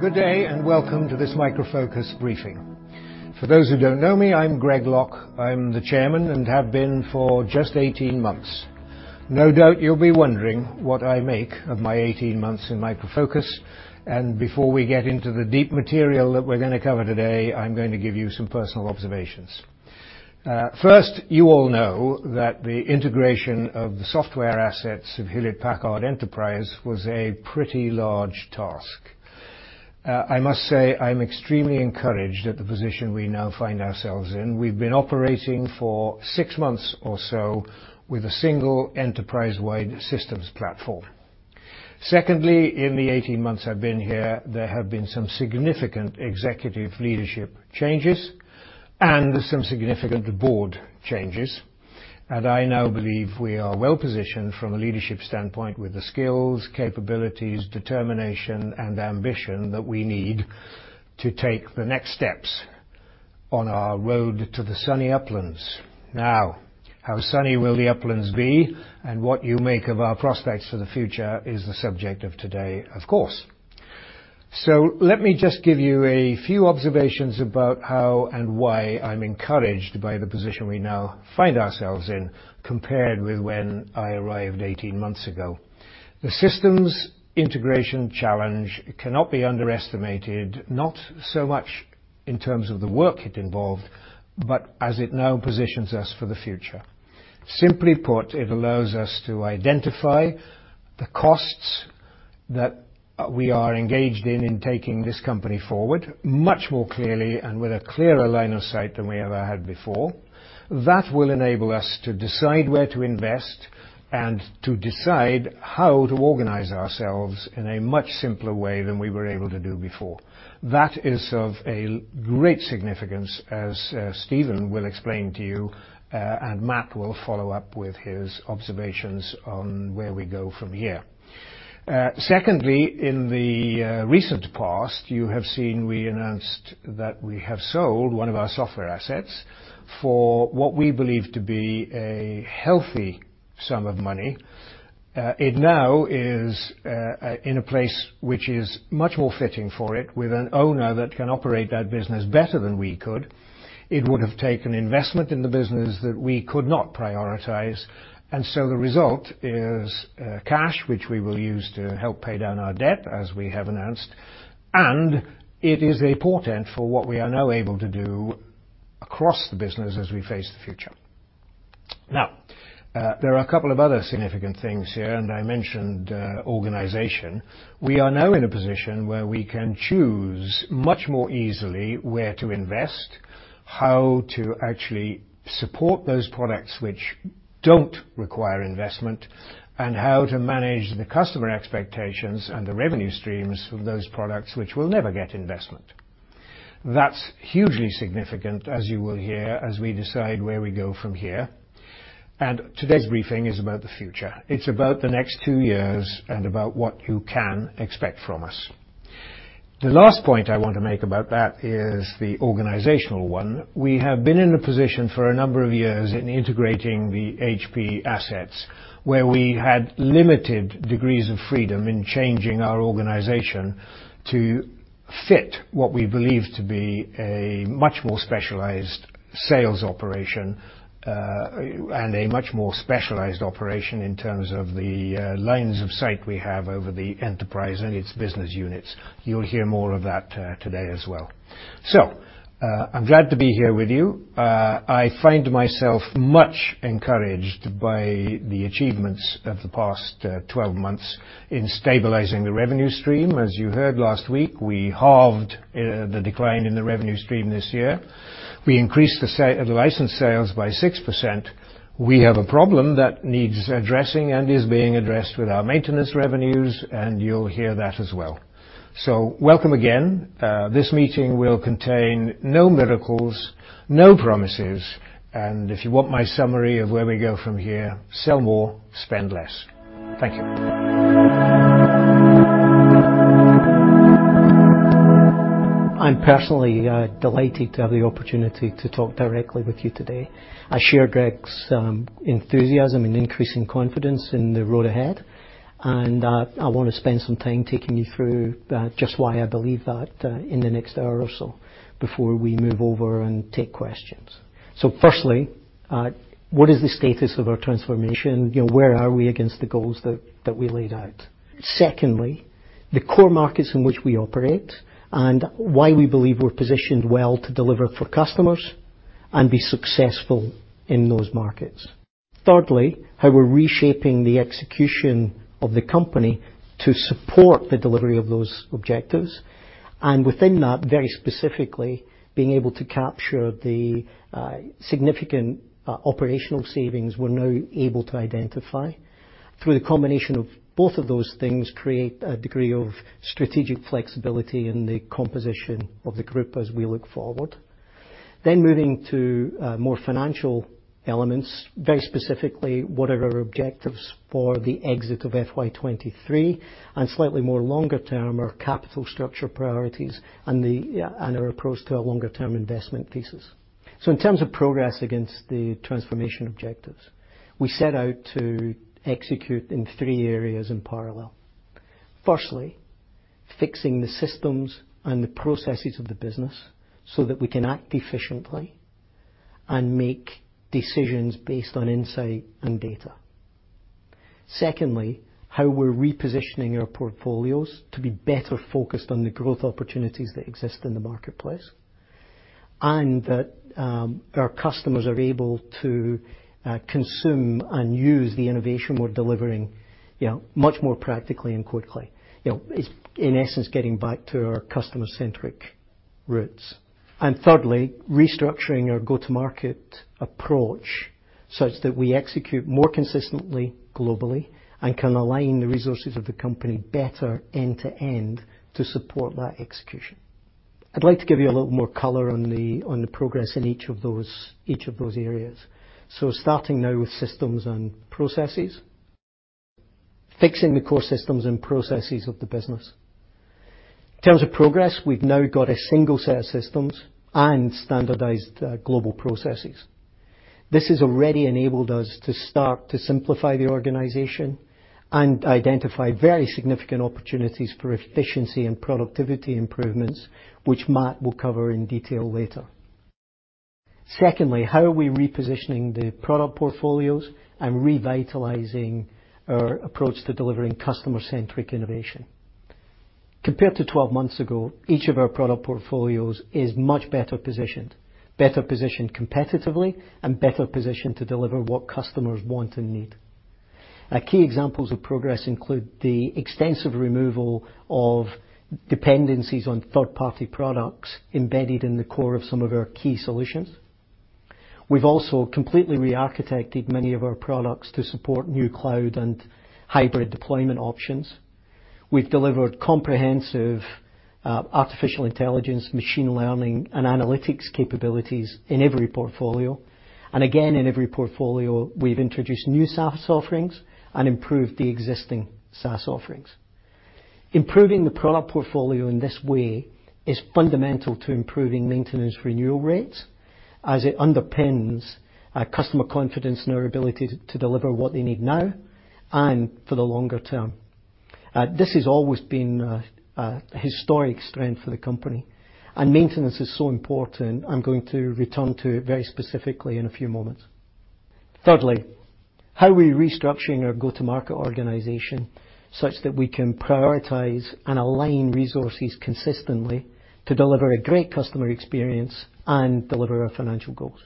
Good day, and welcome to this Micro Focus briefing. For those who don't know me, I'm Greg Lock. I 'm the Chairman and have been for just 18 months. No doubt you'll be wondering what I make of my 18 months in Micro Focus, and before we get into the deep material that we're gonna cover today, I'm going to give you some personal observations. First, you all know that the integration of the software assets of Hewlett Packard Enterprise was a pretty large task. I must say I'm extremely encouraged at the position we now find ourselves in. We've been operating for six months or so with a single enterprise-wide systems platform. Secondly, in the 18 months I've been here, there have been some significant executive leadership changes and some significant board changes, and I now believe we are well-positioned from a leadership standpoint with the skills, capabilities, determination, and ambition that we need to take the next steps on our road to the sunny uplands. Now, how sunny will the uplands be, and what you make of our prospects for the future is the subject of today, of course. Let me just give you a few observations about how and why I'm encouraged by the position we now find ourselves in, compared with when I arrived 18 months ago. The systems integration challenge cannot be underestimated, not so much in terms of the work it involved, but as it now positions us for the future. Simply put, it allows us to identify the costs that we are engaged in taking this company forward much more clearly and with a clearer line of sight than we ever had before. That will enable us to decide where to invest and to decide how to organize ourselves in a much simpler way than we were able to do before. That is of a great significance, as Stephen will explain to you, and Matt will follow up with his observations on where we go from here. Secondly, in the recent past, you have seen we announced that we have sold one of our software assets for what we believe to be a healthy sum of money. It now is in a place which is much more fitting for it, with an owner that can operate that business better than we could. It would have taken investment in the business that we could not prioritize, and so the result is cash, which we will use to help pay down our debt, as we have announced, and it is a portent for what we are now able to do across the business as we face the future. Now, there are a couple of other significant things here, and I mentioned organization. We are now in a position where we can choose much more easily where to invest, how to actually support those products which don't require investment, and how to manage the customer expectations and the revenue streams from those products which will never get investment. That's hugely significant, as you will hear, as we decide where we go from here. Today's briefing is about the future. It's about the next two years and about what you can expect from us. The last point I want to make about that is the organizational one. We have been in a position for a number of years in integrating the HP assets, where we had limited degrees of freedom in changing our organization to fit what we believe to be a much more specialized sales operation, and a much more specialized operation in terms of the lines of sight we have over the enterprise and its business units. You'll hear more of that, today as well. I'm glad to be here with you. I find myself much encouraged by the achievements of the past 12 months in stabilizing the revenue stream. As you heard last week, we halved the decline in the revenue stream this year. We increased the license sales by 6%. We have a problem that needs addressing and is being addressed with our maintenance revenues, and you'll hear that as well. Welcome again. This meeting will contain no miracles, no promises, and if you want my summary of where we go from here, sell more, spend less. Thank you. I'm personally delighted to have the opportunity to talk directly with you today. I share Greg's enthusiasm and increasing confidence in the road ahead, and I wanna spend some time taking you through just why I believe that in the next hour or so before we move over and take questions. Firstly, what is the status of our transformation? You know, where are we against the goals that we laid out? Secondly, the core markets in which we operate and why we believe we're positioned well to deliver for customers and be successful in those markets. Thirdly, how we're reshaping the execution of the company to support the delivery of those objectives and within that, very specifically, being able to capture the significant operational savings we're now able to identify. Through the combination of both of those things create a degree of strategic flexibility in the composition of the group as we look forward. Moving to more financial elements, very specifically what are our objectives for the exit of FY 2023 and slightly more longer term, our capital structure priorities and our approach to our longer term investment thesis. In terms of progress against the transformation objectives, we set out to execute in three areas in parallel. Firstly, fixing the systems and the processes of the business so that we can act efficiently and make decisions based on insight and data. Secondly, how we're repositioning our portfolios to be better focused on the growth opportunities that exist in the marketplace, that our customers are able to consume and use the innovation we're delivering, you know, much more practically and quickly. You know, it's in essence getting back to our customer-centric roots. Thirdly, restructuring our go-to-market approach such that we execute more consistently globally and can align the resources of the company better end to end to support that execution. I'd like to give you a little more color on the progress in each of those areas. Starting now with systems and processes. Fixing the core systems and processes of the business. In terms of progress, we've now got a single set of systems and standardized global processes. This has already enabled us to start to simplify the organization and identify very significant opportunities for efficiency and productivity improvements, which Matt will cover in detail later. Secondly, how are we repositioning the product portfolios and revitalizing our approach to delivering customer-centric innovation? Compared to 12 months ago, each of our product portfolios is much better positioned, better positioned competitively, and better positioned to deliver what customers want and need. Now key examples of progress include the extensive removal of dependencies on third-party products embedded in the core of some of our key solutions. We've also completely re-architected many of our products to support new cloud and hybrid deployment options. We've delivered comprehensive artificial intelligence, machine learning, and analytics capabilities in every portfolio. Again in every portfolio, we've introduced new SaaS offerings and improved the existing SaaS offerings. Improving the product portfolio in this way is fundamental to improving maintenance renewal rates as it underpins customer confidence in our ability to deliver what they need now and for the longer term. This has always been a historic strength for the company, and maintenance is so important, I'm going to return to it very specifically in a few moments. Thirdly, how are we restructuring our go-to-market organization such that we can prioritize and align resources consistently to deliver a great customer experience and deliver our financial goals?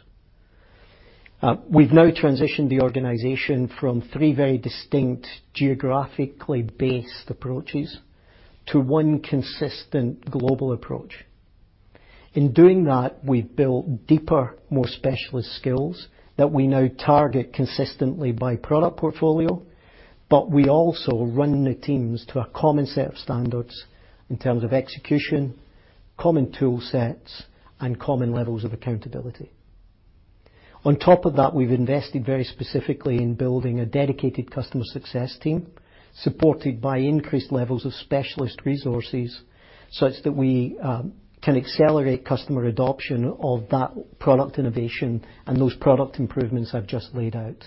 We've now transitioned the organization from three very distinct geographically based approaches to one consistent global approach. In doing that, we've built deeper, more specialist skills that we now target consistently by product portfolio, but we also run the teams to a common set of standards in terms of execution, common tool sets, and common levels of accountability. On top of that, we've invested very specifically in building a dedicated customer success team, supported by increased levels of specialist resources, such that we can accelerate customer adoption of that product innovation and those product improvements I've just laid out.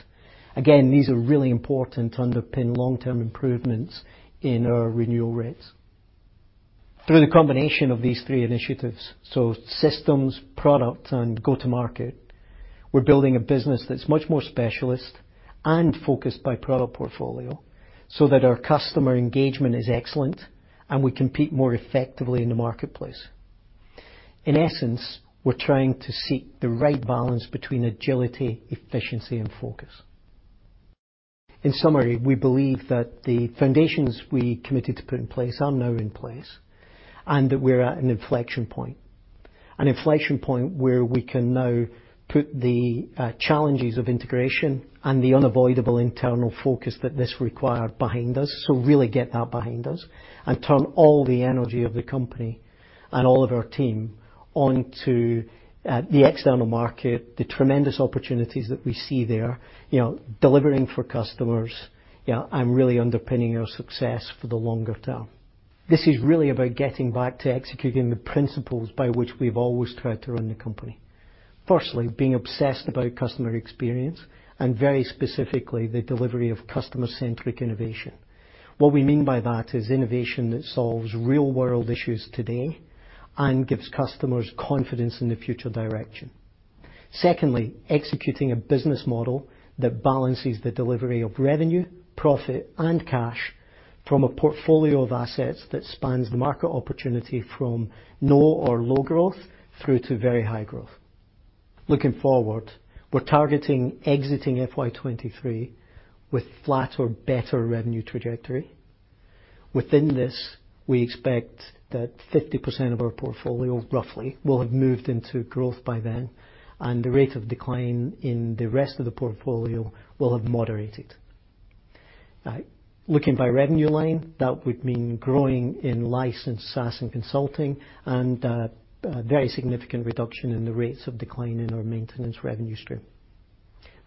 Again, these are really important to underpin long-term improvements in our renewal rates. Through the combination of these three initiatives, so systems, product, and go to market, we're building a business that's much more specialist and focused by product portfolio so that our customer engagement is excellent and we compete more effectively in the marketplace. In essence, we're trying to seek the right balance between agility, efficiency, and focus. In summary, we believe that the foundations we committed to put in place are now in place, and that we're at an inflection point. An inflection point where we can now put the challenges of integration and the unavoidable internal focus that this required behind us, so really get that behind us, and turn all the energy of the company and all of our team onto the external market, the tremendous opportunities that we see there, you know, delivering for customers, yeah, and really underpinning our success for the longer term. This is really about getting back to executing the principles by which we've always tried to run the company. Firstly, being obsessed about customer experience, and very specifically, the delivery of customer-centric innovation. What we mean by that is innovation that solves real-world issues today and gives customers confidence in the future direction. Secondly, executing a business model that balances the delivery of revenue, profit, and cash from a portfolio of assets that spans the market opportunity from no or low growth through to very high growth. Looking forward, we're targeting exiting FY 2023 with flat or better revenue trajectory. Within this, we expect that 50% of our portfolio, roughly, will have moved into growth by then, and the rate of decline in the rest of the portfolio will have moderated. Looking by revenue line, that would mean growing in licensed SaaS and consulting, and a very significant reduction in the rates of decline in our maintenance revenue stream.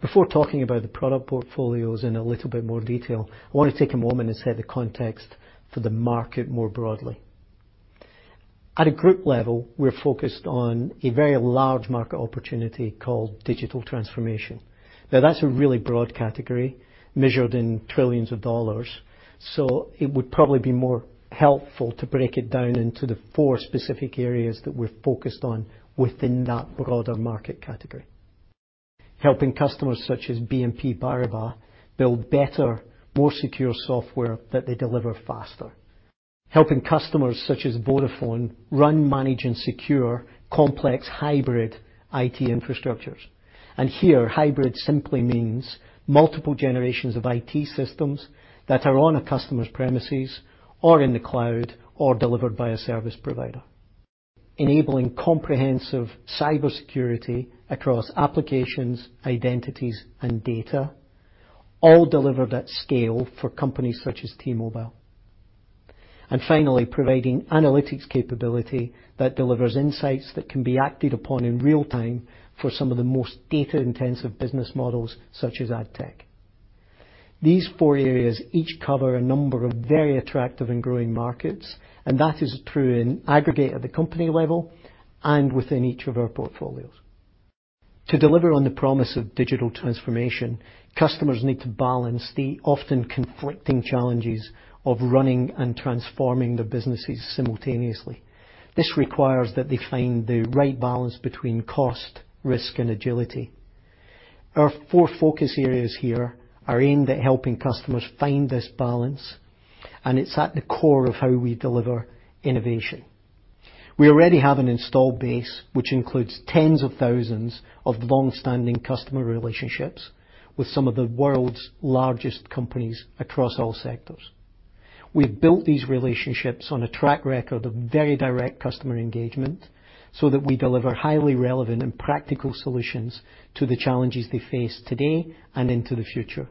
Before talking about the product portfolios in a little bit more detail, I wanna take a moment and set the context for the market more broadly. At a group level, we're focused on a very large market opportunity called digital transformation. Now, that's a really broad category measured in trillions of dollars, so it would probably be more helpful to break it down into the four specific areas that we're focused on within that broader market category. Helping customers such as BNP Paribas build better, more secure software that they deliver faster. Helping customers such as Vodafone run, manage, and secure complex hybrid IT infrastructures. Here, hybrid simply means multiple generations of IT systems that are on a customer's premises or in the cloud or delivered by a service provider. Enabling comprehensive cybersecurity across applications, identities, and data, all delivered at scale for companies such as T-Mobile. Finally, providing analytics capability that delivers insights that can be acted upon in real time for some of the most data-intensive business models such as ad tech. These four areas each cover a number of very attractive and growing markets, and that is true in aggregate at the company level and within each of our portfolios. To deliver on the promise of digital transformation, customers need to balance the often conflicting challenges of running and transforming their businesses simultaneously. This requires that they find the right balance between cost, risk, and agility. Our four focus areas here are aimed at helping customers find this balance, and it's at the core of how we deliver innovation. We already have an installed base which includes tens of thousands of long-standing customer relationships with some of the world's largest companies across all sectors. We've built these relationships on a track record of very direct customer engagement, so that we deliver highly relevant and practical solutions to the challenges they face today and into the future.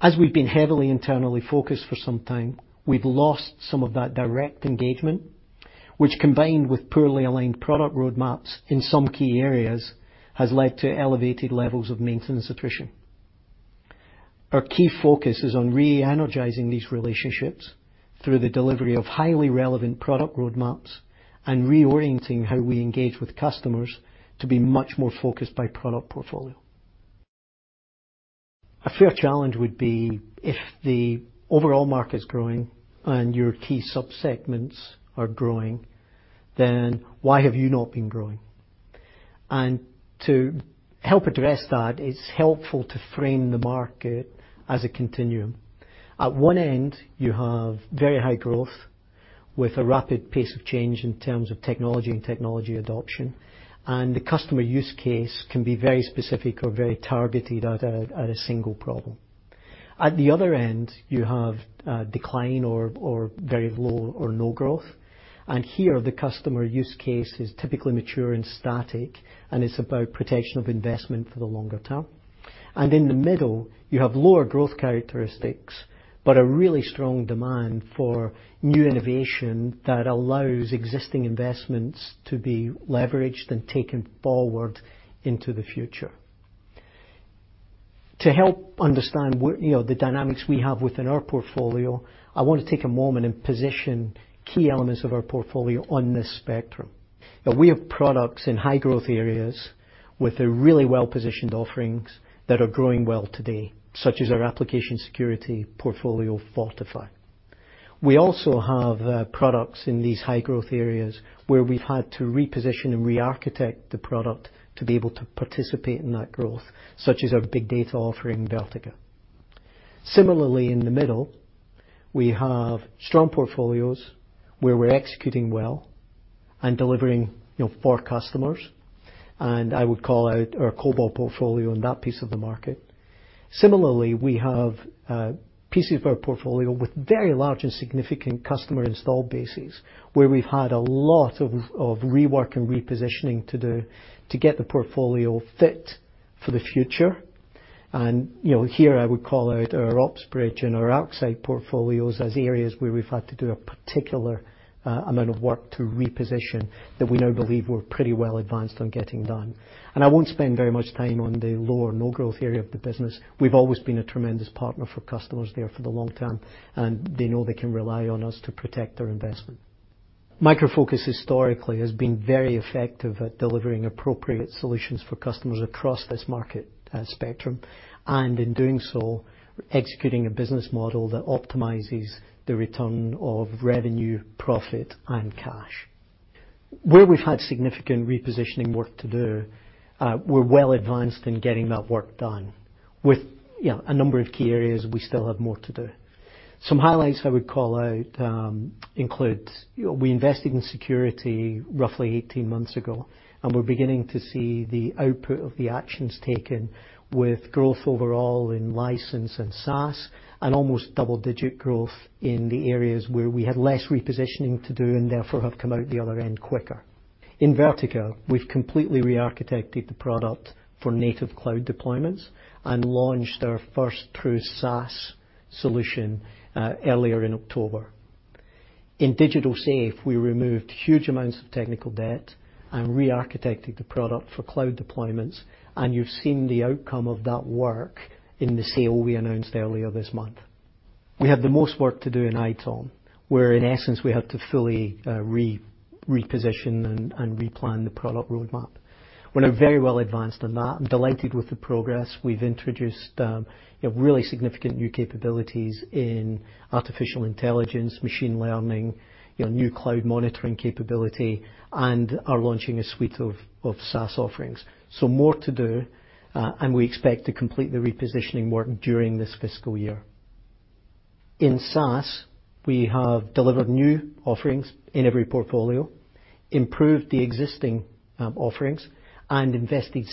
As we've been heavily internally focused for some time, we've lost some of that direct engagement, which, combined with poorly aligned product road maps in some key areas, has led to elevated levels of maintenance attrition. Our key focus is on re-energizing these relationships through the delivery of highly relevant product road maps and reorienting how we engage with customers to be much more focused by product portfolio. A fair challenge would be if the overall market is growing and your key sub-segments are growing, then why have you not been growing? To help address that, it's helpful to frame the market as a continuum. At one end, you have very high growth with a rapid pace of change in terms of technology and technology adoption, and the customer use case can be very specific or very targeted at a single problem. At the other end, you have decline or very low or no growth, and here, the customer use case is typically mature and static, and it's about protection of investment for the longer term. In the middle, you have lower growth characteristics, but a really strong demand for new innovation that allows existing investments to be leveraged and taken forward into the future. To help understand, you know, the dynamics we have within our portfolio, I wanna take a moment and position key elements of our portfolio on this spectrum. Now we have products in high-growth areas with the really well-positioned offerings that are growing well today, such as our application security portfolio, Fortify. We also have products in these high-growth areas where we've had to reposition and re-architect the product to be able to participate in that growth, such as our big data offering, Vertica. Similarly, in the middle, we have strong portfolios where we're executing well and delivering, you know, for customers, and I would call out our COBOL portfolio in that piece of the market. Similarly, we have pieces of our portfolio with very large and significant customer install bases, where we've had a lot of rework and repositioning to do to get the portfolio fit for the future. You know, here I would call out our OpsBridge and our OutSystems portfolios as areas where we've had to do a particular amount of work to reposition that we now believe we're pretty well advanced on getting done. I won't spend very much time on the low or no growth area of the business. We've always been a tremendous partner for customers there for the long term, and they know they can rely on us to protect their investment. Micro Focus historically has been very effective at delivering appropriate solutions for customers across this market spectrum, and in doing so, executing a business model that optimizes the return of revenue, profit, and cash. Where we've had significant repositioning work to do, we're well advanced in getting that work done. With, you know, a number of key areas we still have more to do. Some highlights I would call out include, you know, we invested in security roughly 18 months ago, and we're beginning to see the output of the actions taken with growth overall in license and SaaS and almost double-digit growth in the areas where we had less repositioning to do and therefore have come out the other end quicker. In Vertica, we've completely re-architected the product for native cloud deployments and launched our first true SaaS solution earlier in October. In Digital Safe, we removed huge amounts of technical debt and re-architected the product for cloud deployments, and you've seen the outcome of that work in the sale we announced earlier this month. We have the most work to do in ITOM, where in essence, we had to fully reposition and replan the product roadmap. We're now very well advanced on that and delighted with the progress. We've introduced, you know, really significant new capabilities in artificial intelligence, machine learning, you know, new cloud monitoring capability, and are launching a suite of SaaS offerings. More to do, and we expect to complete the repositioning work during this fiscal year. In SaaS, we have delivered new offerings in every portfolio, improved the existing offerings, and invested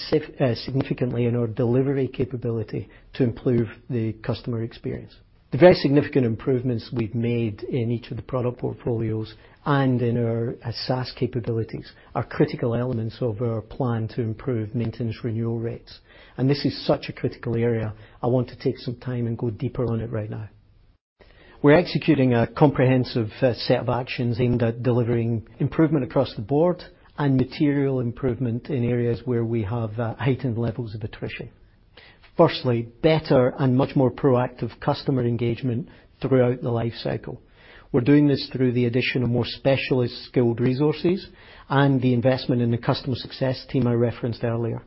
significantly in our delivery capability to improve the customer experience. The very significant improvements we've made in each of the product portfolios and in our SaaS capabilities are critical elements of our plan to improve maintenance renewal rates, and this is such a critical area. I want to take some time and go deeper on it right now. We're executing a comprehensive set of actions aimed at delivering improvement across the board and material improvement in areas where we have heightened levels of attrition. Firstly, better and much more proactive customer engagement throughout the life cycle. We're doing this through the addition of more specialist skilled resources and the investment in the customer success team I referenced earlier.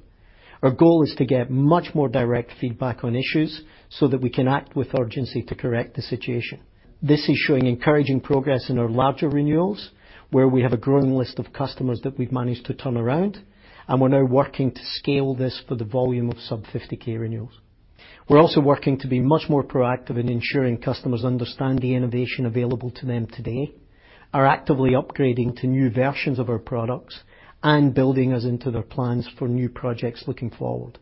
Our goal is to get much more direct feedback on issues so that we can act with urgency to correct the situation. This is showing encouraging progress in our larger renewals, where we have a growing list of customers that we've managed to turn around, and we're now working to scale this for the volume of sub-$50K renewals. We're also working to be much more proactive in ensuring customers understand the innovation available to them today, are actively upgrading to new versions of our products, and building us into their plans for new projects looking forward.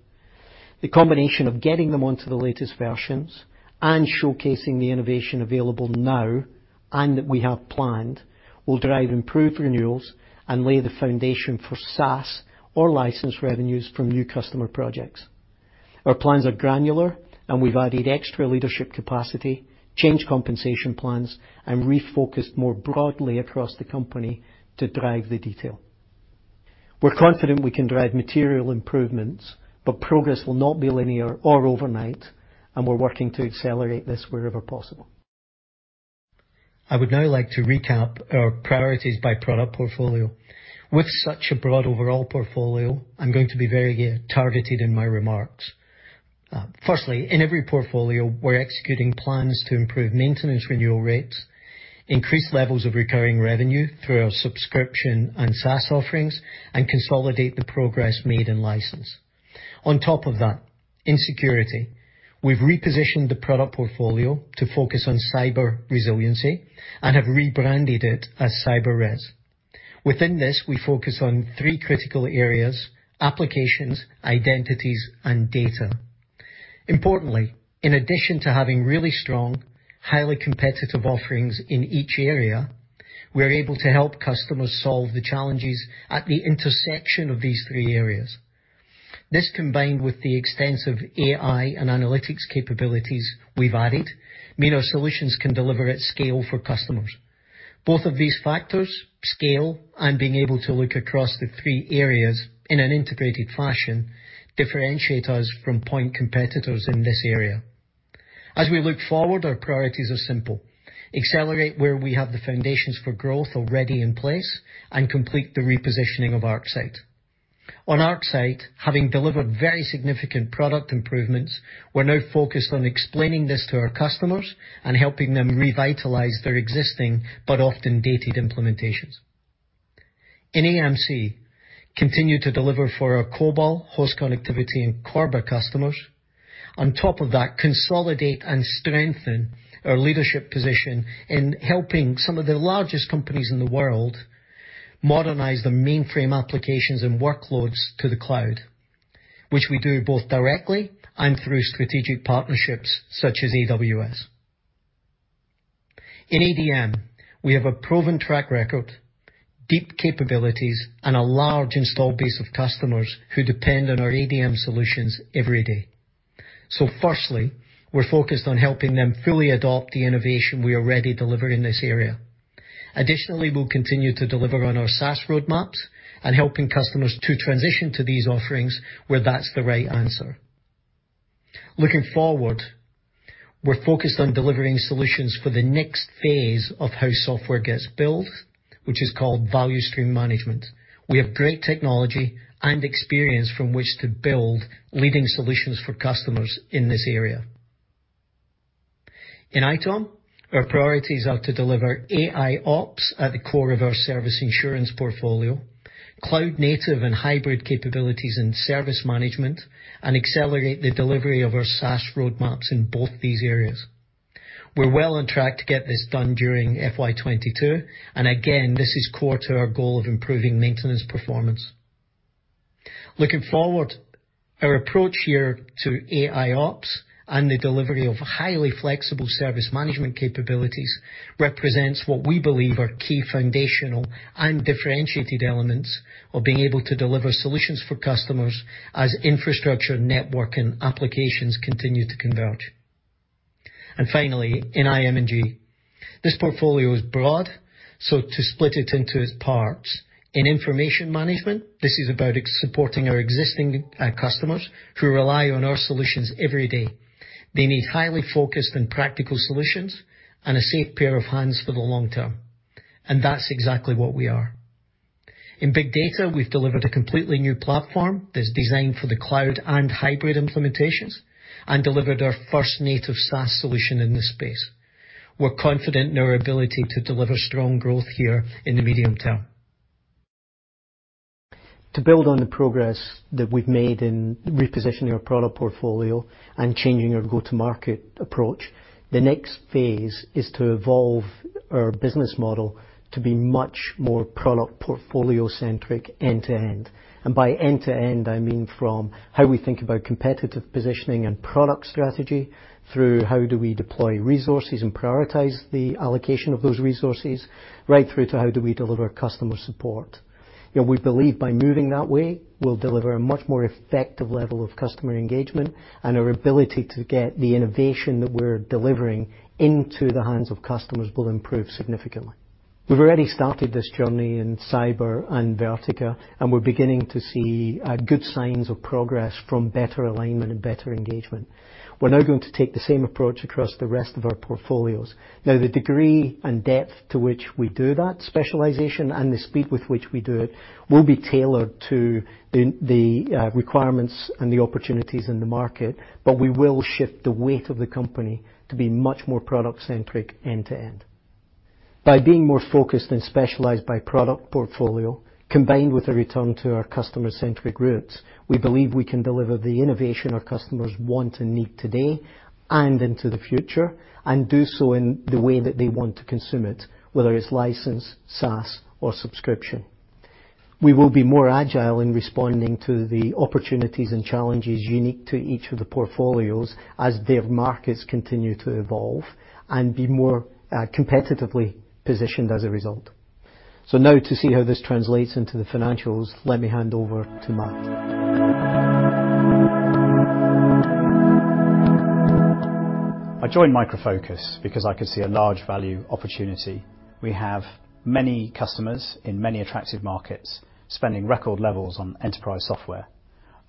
The combination of getting them onto the latest versions and showcasing the innovation available now and that we have planned will drive improved renewals and lay the foundation for SaaS or license revenues from new customer projects. Our plans are granular, and we've added extra leadership capacity, changed compensation plans, and refocused more broadly across the company to drive the detail. We're confident we can drive material improvements, but progress will not be linear or overnight, and we're working to accelerate this wherever possible. I would now like to recap our priorities by product portfolio. With such a broad overall portfolio, I'm going to be very targeted in my remarks. Firstly, in every portfolio, we're executing plans to improve maintenance renewal rates, increase levels of recurring revenue through our subscription and SaaS offerings, and consolidate the progress made in license. On top of that, in security, we've repositioned the product portfolio to focus on cyber resiliency and have rebranded it as CyberRes. Within this, we focus on three critical areas, applications, identities, and data. Importantly, in addition to having really strong, highly competitive offerings in each area, we're able to help customers solve the challenges at the intersection of these three areas. This combined with the extensive AI and analytics capabilities we've added mean our solutions can deliver at scale for customers. Both of these factors, scale and being able to look across the three areas in an integrated fashion, differentiate us from point competitors in this area. As we look forward, our priorities are simple, accelerate where we have the foundations for growth already in place and complete the repositioning of ArcSight. On ArcSight, having delivered very significant product improvements, we're now focused on explaining this to our customers and helping them revitalize their existing but often dated implementations. In AM&C, we continue to deliver for our COBOL, host connectivity, and CORBA customers. On top of that, consolidate and strengthen our leadership position in helping some of the largest companies in the world modernize their mainframe applications and workloads to the cloud, which we do both directly and through strategic partnerships such as AWS. In ADM, we have a proven track record, deep capabilities, and a large installed base of customers who depend on our ADM solutions every day. Firstly, we're focused on helping them fully adopt the innovation we already deliver in this area. Additionally, we'll continue to deliver on our SaaS roadmaps and helping customers to transition to these offerings where that's the right answer. Looking forward, we're focused on delivering solutions for the next phase of how software gets built, which is called value stream management. We have great technology and experience from which to build leading solutions for customers in this area. In ITOM, our priorities are to deliver AIOps at the core of our service assurance portfolio, cloud native and hybrid capabilities in service management, and accelerate the delivery of our SaaS roadmaps in both these areas. We're well on track to get this done during FY 2022, and again, this is core to our goal of improving maintenance performance. Looking forward, our approach here to AIOps and the delivery of highly flexible service management capabilities represents what we believe are key foundational and differentiated elements of being able to deliver solutions for customers as infrastructure, network, and applications continue to converge. Finally, in IM&G, this portfolio is broad, so to split it into its parts. In information management, this is about supporting our existing customers who rely on our solutions every day. They need highly focused and practical solutions and a safe pair of hands for the long term, and that's exactly what we are. In big data, we've delivered a completely new platform that's designed for the cloud and hybrid implementations and delivered our first native SaaS solution in this space. We're confident in our ability to deliver strong growth here in the medium term. To build on the progress that we've made in repositioning our product portfolio and changing our go-to-market approach, the next phase is to evolve our business model to be much more product portfolio-centric end-to-end. By end-to-end, I mean from how we think about competitive positioning and product strategy through how do we deploy resources and prioritize the allocation of those resources right through to how do we deliver customer support. You know, we believe by moving that way, we'll deliver a much more effective level of customer engagement, and our ability to get the innovation that we're delivering into the hands of customers will improve significantly. We've already started this journey in cyber and Vertica, and we're beginning to see good signs of progress from better alignment and better engagement. We're now going to take the same approach across the rest of our portfolios. Now, the degree and depth to which we do that specialization and the speed with which we do it will be tailored to the requirements and the opportunities in the market, but we will shift the weight of the company to be much more product centric end to end. By being more focused and specialized by product portfolio combined with a return to our customer-centric roots, we believe we can deliver the innovation our customers want and need today and into the future and do so in the way that they want to consume it, whether it's licensed, SaaS, or subscription. We will be more agile in responding to the opportunities and challenges unique to each of the portfolios as their markets continue to evolve and be more competitively positioned as a result. Now to see how this translates into the financials, let me hand over to Matt Ashley. I joined Micro Focus because I could see a large value opportunity. We have many customers in many attractive markets spending record levels on enterprise software.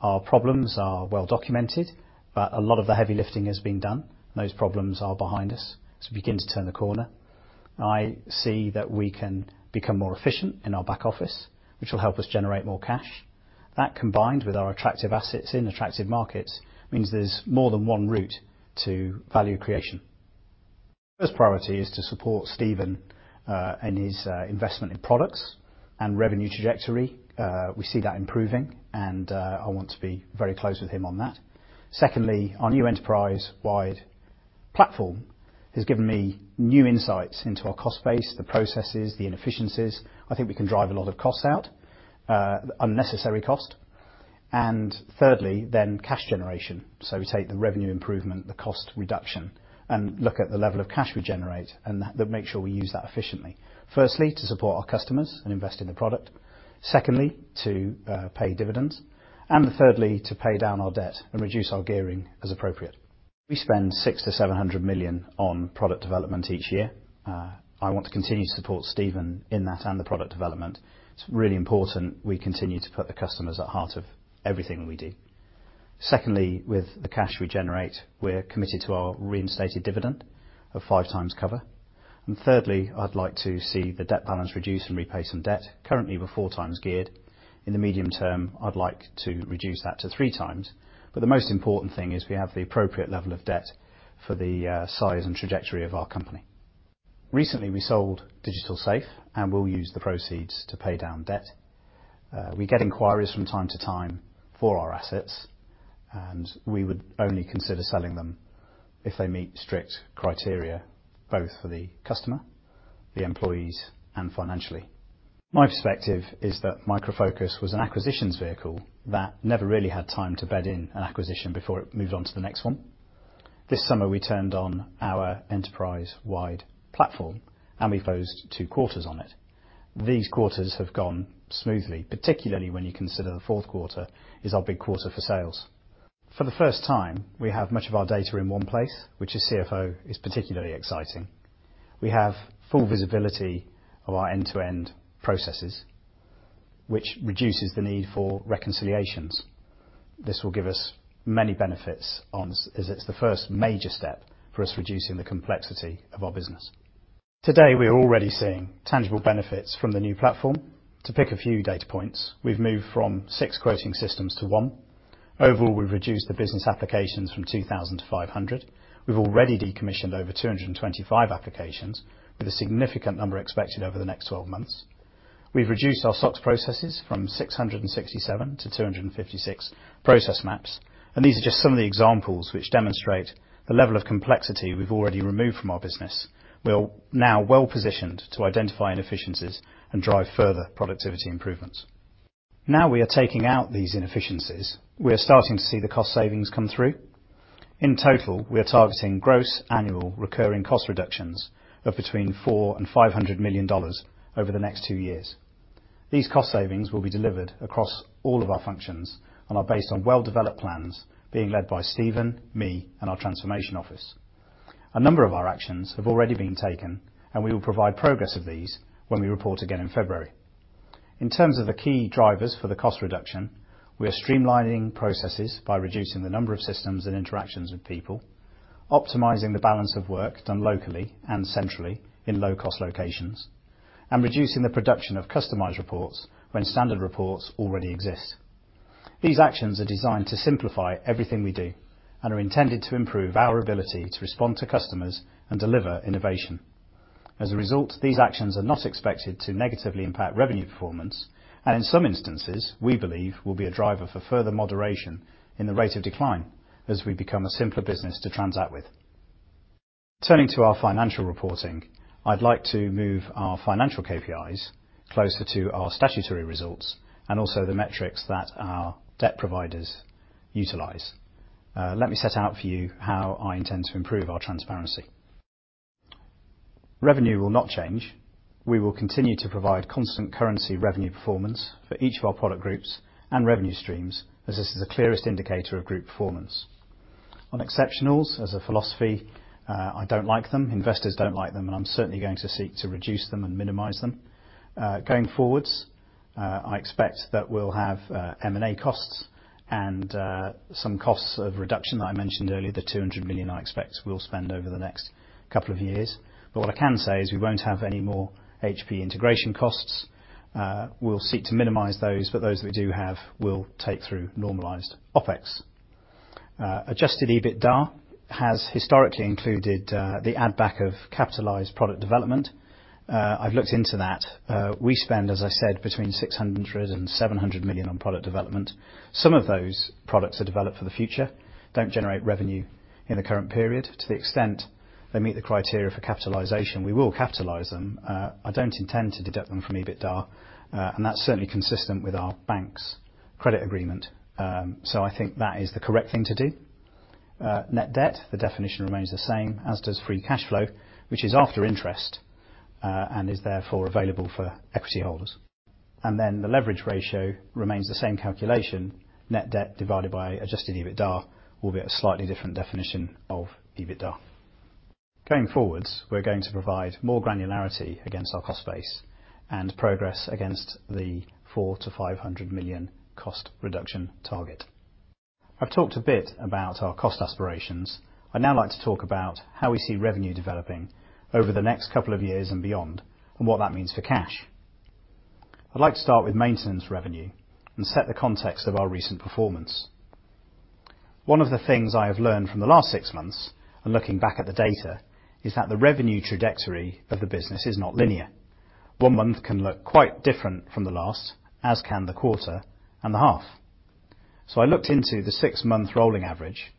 Our problems are well documented, but a lot of the heavy lifting has been done. Those problems are behind us as we begin to turn the corner. I see that we can become more efficient in our back office, which will help us generate more cash. That combined with our attractive assets in attractive markets means there's more than one route to value creation. First priority is to support Stephen and his investment in products and revenue trajectory. We see that improving, and I want to be very close with him on that. Secondly, our new enterprise-wide platform has given me new insights into our cost base, the processes, the inefficiencies. I think we can drive a lot of costs out, unnecessary cost. Thirdly, then cash generation. We take the revenue improvement, the cost reduction, and look at the level of cash we generate and that make sure we use that efficiently. Firstly, to support our customers and invest in the product. Secondly, to pay dividends. Thirdly, to pay down our debt and reduce our gearing as appropriate. We spend $600 million-$700 million on product development each year. I want to continue to support Stephen in that and the product development. It's really important we continue to put the customers at heart of everything that we do. Secondly, with the cash we generate, we're committed to our reinstated dividend of five times cover. Thirdly, I'd like to see the debt balance reduce and repay some debt. Currently, we're four times geared. In the medium term, I'd like to reduce that to three times, but the most important thing is we have the appropriate level of debt for the size and trajectory of our company. Recently, we sold Digital Safe, and we'll use the proceeds to pay down debt. We get inquiries from time to time for our assets, and we would only consider selling them if they meet strict criteria, both for the customer, the employees, and financially. My perspective is that Micro Focus was an acquisitions vehicle that never really had time to bed in an acquisition before it moved on to the next one. This summer, we turned on our enterprise-wide platform, and we closed two quarters on it. These quarters have gone smoothly, particularly when you consider the fourth quarter is our big quarter for sales. For the first time, we have much of our data in one place, which as CFO is particularly exciting. We have full visibility of our end-to-end processes, which reduces the need for reconciliations. This will give us many benefits, as it's the first major step for us reducing the complexity of our business. Today, we're already seeing tangible benefits from the new platform. To pick a few data points, we've moved from six quoting systems to one. Overall, we've reduced the business applications from 2,000 to 500. We've already decommissioned over 225 applications with a significant number expected over the next 12 months. We've reduced our SOX processes from 667 to 256 process maps, and these are just some of the examples which demonstrate the level of complexity we've already removed from our business. We are now well-positioned to identify inefficiencies and drive further productivity improvements. Now we are taking out these inefficiencies, we are starting to see the cost savings come through. In total, we are targeting gross annual recurring cost reductions of between $400 million and $500 million over the next two years. These cost savings will be delivered across all of our functions and are based on well-developed plans being led by Stephen, me, and our transformation office. A number of our actions have already been taken, and we will provide progress of these when we report again in February. In terms of the key drivers for the cost reduction, we are streamlining processes by reducing the number of systems and interactions with people, optimizing the balance of work done locally and centrally in low-cost locations, and reducing the production of customized reports when standard reports already exist. These actions are designed to simplify everything we do and are intended to improve our ability to respond to customers and deliver innovation. As a result, these actions are not expected to negatively impact revenue performance, and in some instances, we believe will be a driver for further moderation in the rate of decline as we become a simpler business to transact with. Turning to our financial reporting, I'd like to move our financial KPIs closer to our statutory results and also the metrics that our debt providers utilize. Let me set out for you how I intend to improve our transparency. Revenue will not change. We will continue to provide constant currency revenue performance for each of our product groups and revenue streams as this is the clearest indicator of group performance. On exceptionals, as a philosophy, I don't like them, investors don't like them, and I'm certainly going to seek to reduce them and minimize them. Going forward, I expect that we'll have M&A costs and some costs of reduction that I mentioned earlier, the $200 million I expect we'll spend over the next couple of years. What I can say is we won't have any more HP integration costs. We'll seek to minimize those, but those we do have will take through normalized OpEx. Adjusted EBITDA has historically included the add back of capitalized product development. I've looked into that. We spend, as I said, between $600 million and $700 million on product development. Some of those products are developed for the future, don't generate revenue in the current period. To the extent they meet the criteria for capitalization, we will capitalize them. I don't intend to deduct them from EBITDA, and that's certainly consistent with our banks' credit agreement. I think that is the correct thing to do. Net debt, the definition remains the same, as does free cash flow, which is after interest, and is therefore available for equity holders. The leverage ratio remains the same calculation. Net debt divided by adjusted EBITDA will be a slightly different definition of EBITDA. Going forward, we're going to provide more granularity against our cost base and progress against the $400 million-$500 million cost reduction target. I've talked a bit about our cost aspirations. I'd now like to talk about how we see revenue developing over the next couple of years and beyond, and what that means for cash. I'd like to start with maintenance revenue and set the context of our recent performance. One of the things I have learned from the last six months and looking back at the data is that the revenue trajectory of the business is not linear. One month can look quite different from the last, as can the quarter and the half. I looked into the six-month rolling average,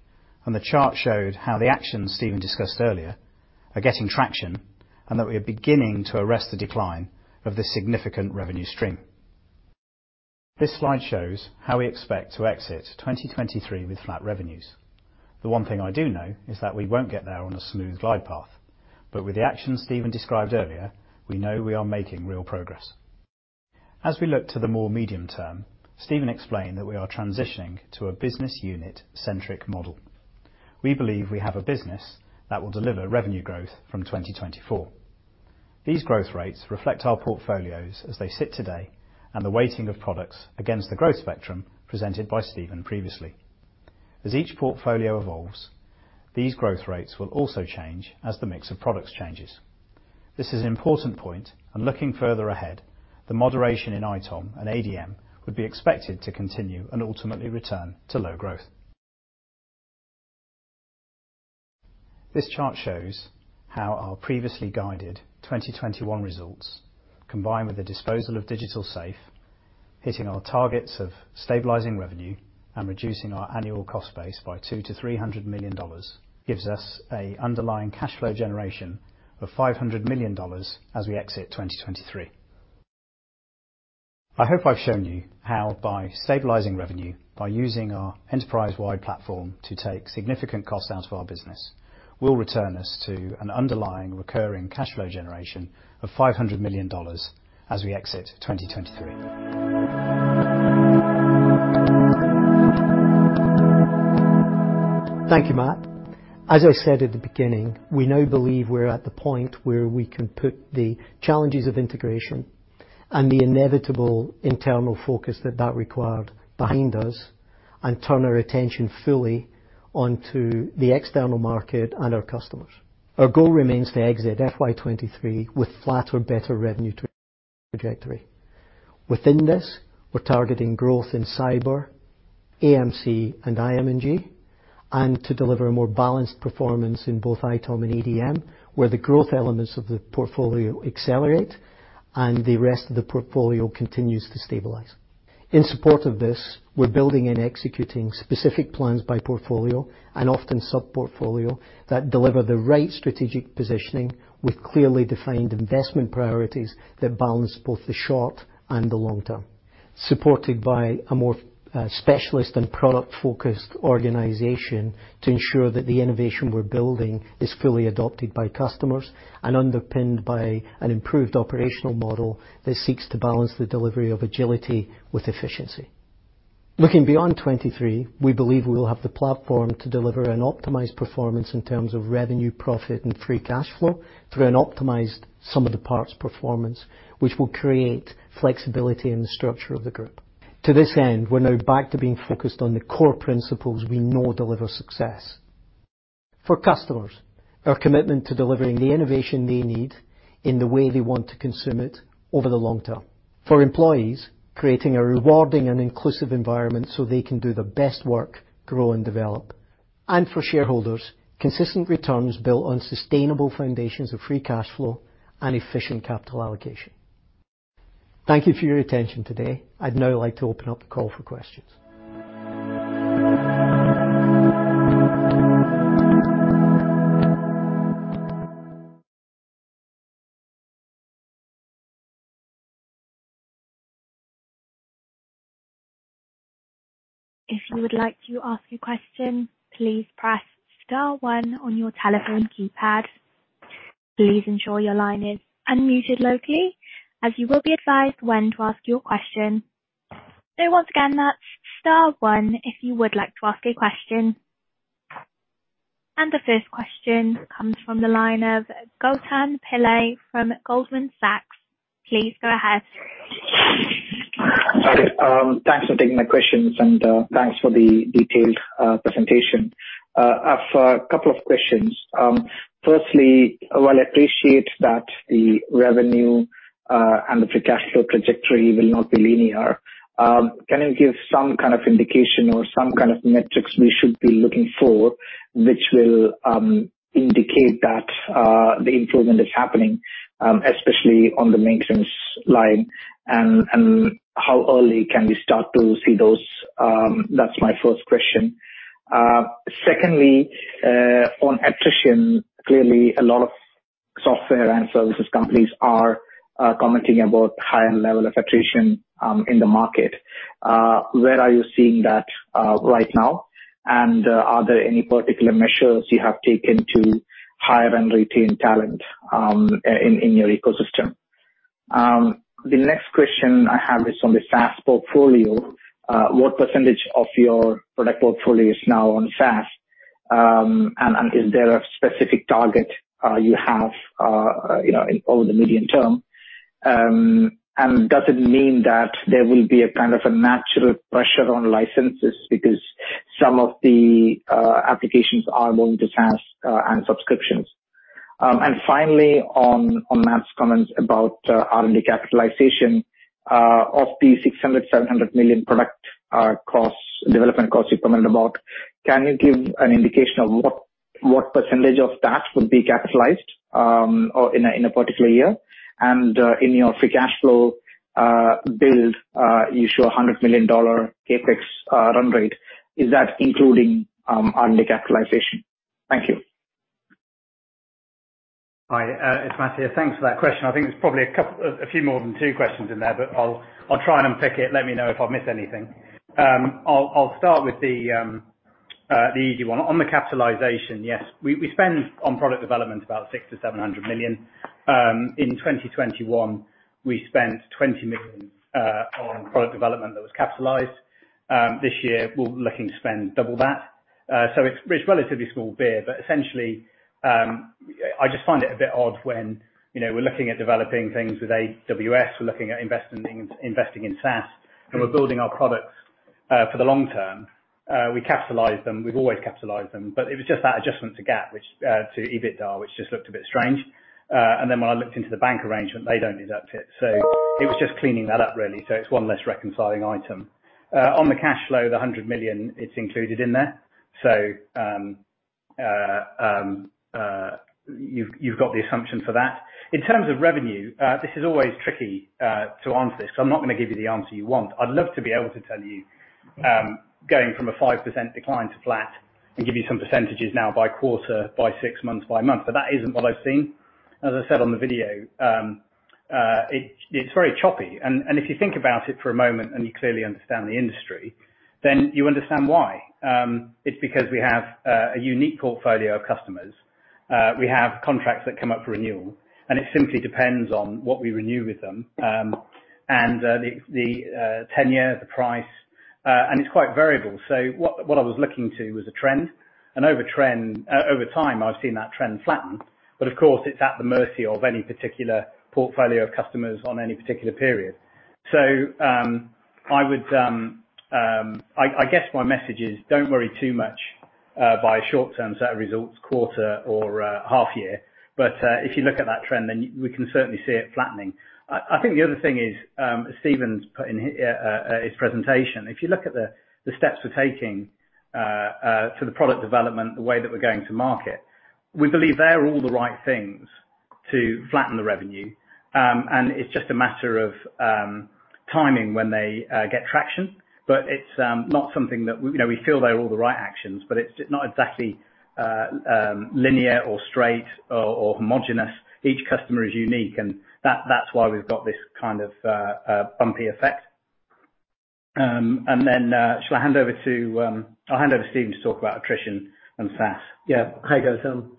and the chart showed how the actions Stephen discussed earlier are getting traction and that we are beginning to arrest the decline of this significant revenue stream. This slide shows how we expect to exit 2023 with flat revenues. The one thing I do know is that we won't get there on a smooth glide path. With the actions Stephen described earlier, we know we are making real progress. As we look to the more medium term, Stephen explained that we are transitioning to a business unit-centric model. We believe we have a business that will deliver revenue growth from 2024. These growth rates reflect our portfolios as they sit today and the weighting of products against the growth spectrum presented by Stephen previously. As each portfolio evolves, these growth rates will also change as the mix of products changes. This is an important point, and looking further ahead, the moderation in ITOM and ADM would be expected to continue and ultimately return to low growth. This chart shows how our previously guided 2021 results, combined with the disposal of Digital Safe, hitting our targets of stabilizing revenue and reducing our annual cost base by $200 million-$300 million, gives us an underlying cash flow generation of $500 million as we exit 2023. I hope I've shown you how by stabilizing revenue, by using our enterprise-wide platform to take significant cost out of our business, will return us to an underlying recurring cash flow generation of $500 million as we exit 2023. Thank you, Matt. As I said at the beginning, we now believe we're at the point where we can put the challenges of integration and the inevitable internal focus that that required behind us and turn our attention fully onto the external market and our customers. Our goal remains to exit FY 2023 with flat or better revenue trajectory. Within this, we're targeting growth in CyberRes, AM&C, and IM&G, and to deliver a more balanced performance in both ITOM and ADM, where the growth elements of the portfolio accelerate and the rest of the portfolio continues to stabilize. In support of this, we're building and executing specific plans by portfolio and often sub-portfolio that deliver the right strategic positioning with clearly defined investment priorities that balance both the short and the long term. Supported by a more specialist and product-focused organization to ensure that the innovation we're building is fully adopted by customers and underpinned by an improved operational model that seeks to balance the delivery of agility with efficiency. Looking beyond 2023, we believe we will have the platform to deliver an optimized performance in terms of revenue, profit, and free cash flow through an optimized sum-of-the-parts performance, which will create flexibility in the structure of the group. To this end, we're now back to being focused on the core principles we know deliver success. For customers, our commitment to delivering the innovation they need in the way they want to consume it over the long term. For employees, creating a rewarding and inclusive environment so they can do their best work, grow and develop. For shareholders, consistent returns built on sustainable foundations of free cash flow and efficient capital allocation. Thank you for your attention today. I'd now like to open up the call for questions. If you would like to ask a question, please press star one on your telephone keypad. Please ensure your line is unmuted locally, as you will be advised when to ask your question. Once again, that's star one if you would like to ask a question. The first question comes from the line of Gautam Pillai from Goldman Sachs. Please go ahead. Hi. Thanks for taking my questions, and thanks for the detailed presentation. I've a couple of questions. First, while I appreciate that the revenue and the free cash flow trajectory will not be linear, can you give some kind of indication or some kind of metrics we should be looking for, which will indicate that the improvement is happening, especially on the maintenance line? How early can we start to see those? That's my first question. Second, on attrition, clearly a lot of software and services companies are commenting about higher level of attrition in the market. Where are you seeing that right now? Are there any particular measures you have taken to hire and retain talent in your ecosystem? The next question I have is on the SaaS portfolio. What percentage of your product portfolio is now on SaaS? And is there a specific target you have, you know, over the medium term? And does it mean that there will be a kind of a natural pressure on licenses because some of the applications are moving to SaaS and subscriptions? And finally, on Matt's comments about R&D capitalization of the $600-$700 million product costs, development costs you commented about, can you give an indication of what percentage of that would be capitalized or in a particular year? In your free cash flow build, you show a $100 million CapEx run rate. Is that including R&D capitalization? Thank you. Hi, it's Matt here. Thanks for that question. I think there's probably a few more than two questions in there, but I'll try and unpick it. Let me know if I've missed anything. I'll start with the easy one. On the capitalization, yes. We spend on product development about $600 million-$700 million. In 2021, we spent $20 million on product development that was capitalized. This year we're looking to spend double that. So it's relatively small beer. Essentially, I just find it a bit odd when, you know, we're looking at developing things with AWS, we're looking at investing in SaaS, and we're building our products for the long term. We capitalize them. We've always capitalized them. It was just that adjustment to GAAP, which to EBITDA, which just looked a bit strange. Then when I looked into the bank arrangement, they don't do that bit. It was just cleaning that up really. It's one less reconciling item. On the cash flow, the $100 million, it's included in there. You've got the assumption for that. In terms of revenue, this is always tricky to answer this, so I'm not gonna give you the answer you want. I'd love to be able to tell you, going from a 5% decline to flat and give you some percentages now by quarter, by six months, by month. That isn't what I've seen. As I said on the video, it's very choppy. If you think about it for a moment, and you clearly understand the industry, then you understand why. It's because we have a unique portfolio of customers. We have contracts that come up for renewal, and it simply depends on what we renew with them, and the tenure, the price, and it's quite variable. What I was looking to was a trend, and over time, I've seen that trend flatten, but of course it's at the mercy of any particular portfolio of customers on any particular period. I would guess my message is don't worry too much by a short-term set of results quarter or half year. If you look at that trend, then we can certainly see it flattening. I think the other thing is, Stephen's put in his presentation. If you look at the steps we're taking for the product development, the way that we're going to market, we believe they're all the right things to flatten the revenue. It's just a matter of timing when they get traction. It's not something that you know, we feel they are all the right actions, but it's just not exactly linear or straight or homogeneous. Each customer is unique, and that's why we've got this kind of bumpy effect. Then, I'll hand over to Stephen to talk about attrition and SaaS. Yeah. Hi, Gautam.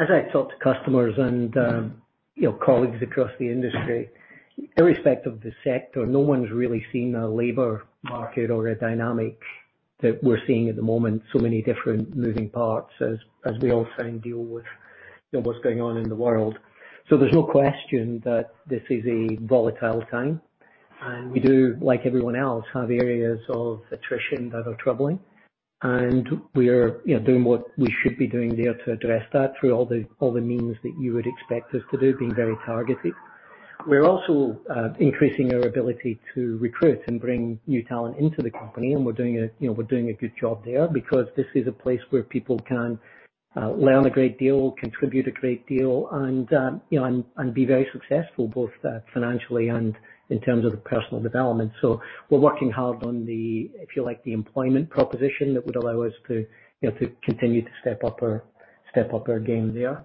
As I talk to customers and, you know, colleagues across the industry, irrespective of the sector, no one's really seen a labor market or a dynamic that we're seeing at the moment. So many different moving parts as we all try and deal with, you know, what's going on in the world. So there's no question that this is a volatile time, and we do, like everyone else, have areas of attrition that are troubling. We are, you know, doing what we should be doing there to address that through all the means that you would expect us to do, being very targeted. We're also increasing our ability to recruit and bring new talent into the company, and we're doing, you know, a good job there because this is a place where people can learn a great deal, contribute a great deal, and, you know, and be very successful, both financially and in terms of personal development. We're working hard on the, if you like, the employment proposition that would allow us to, you know, to continue to step up our game there.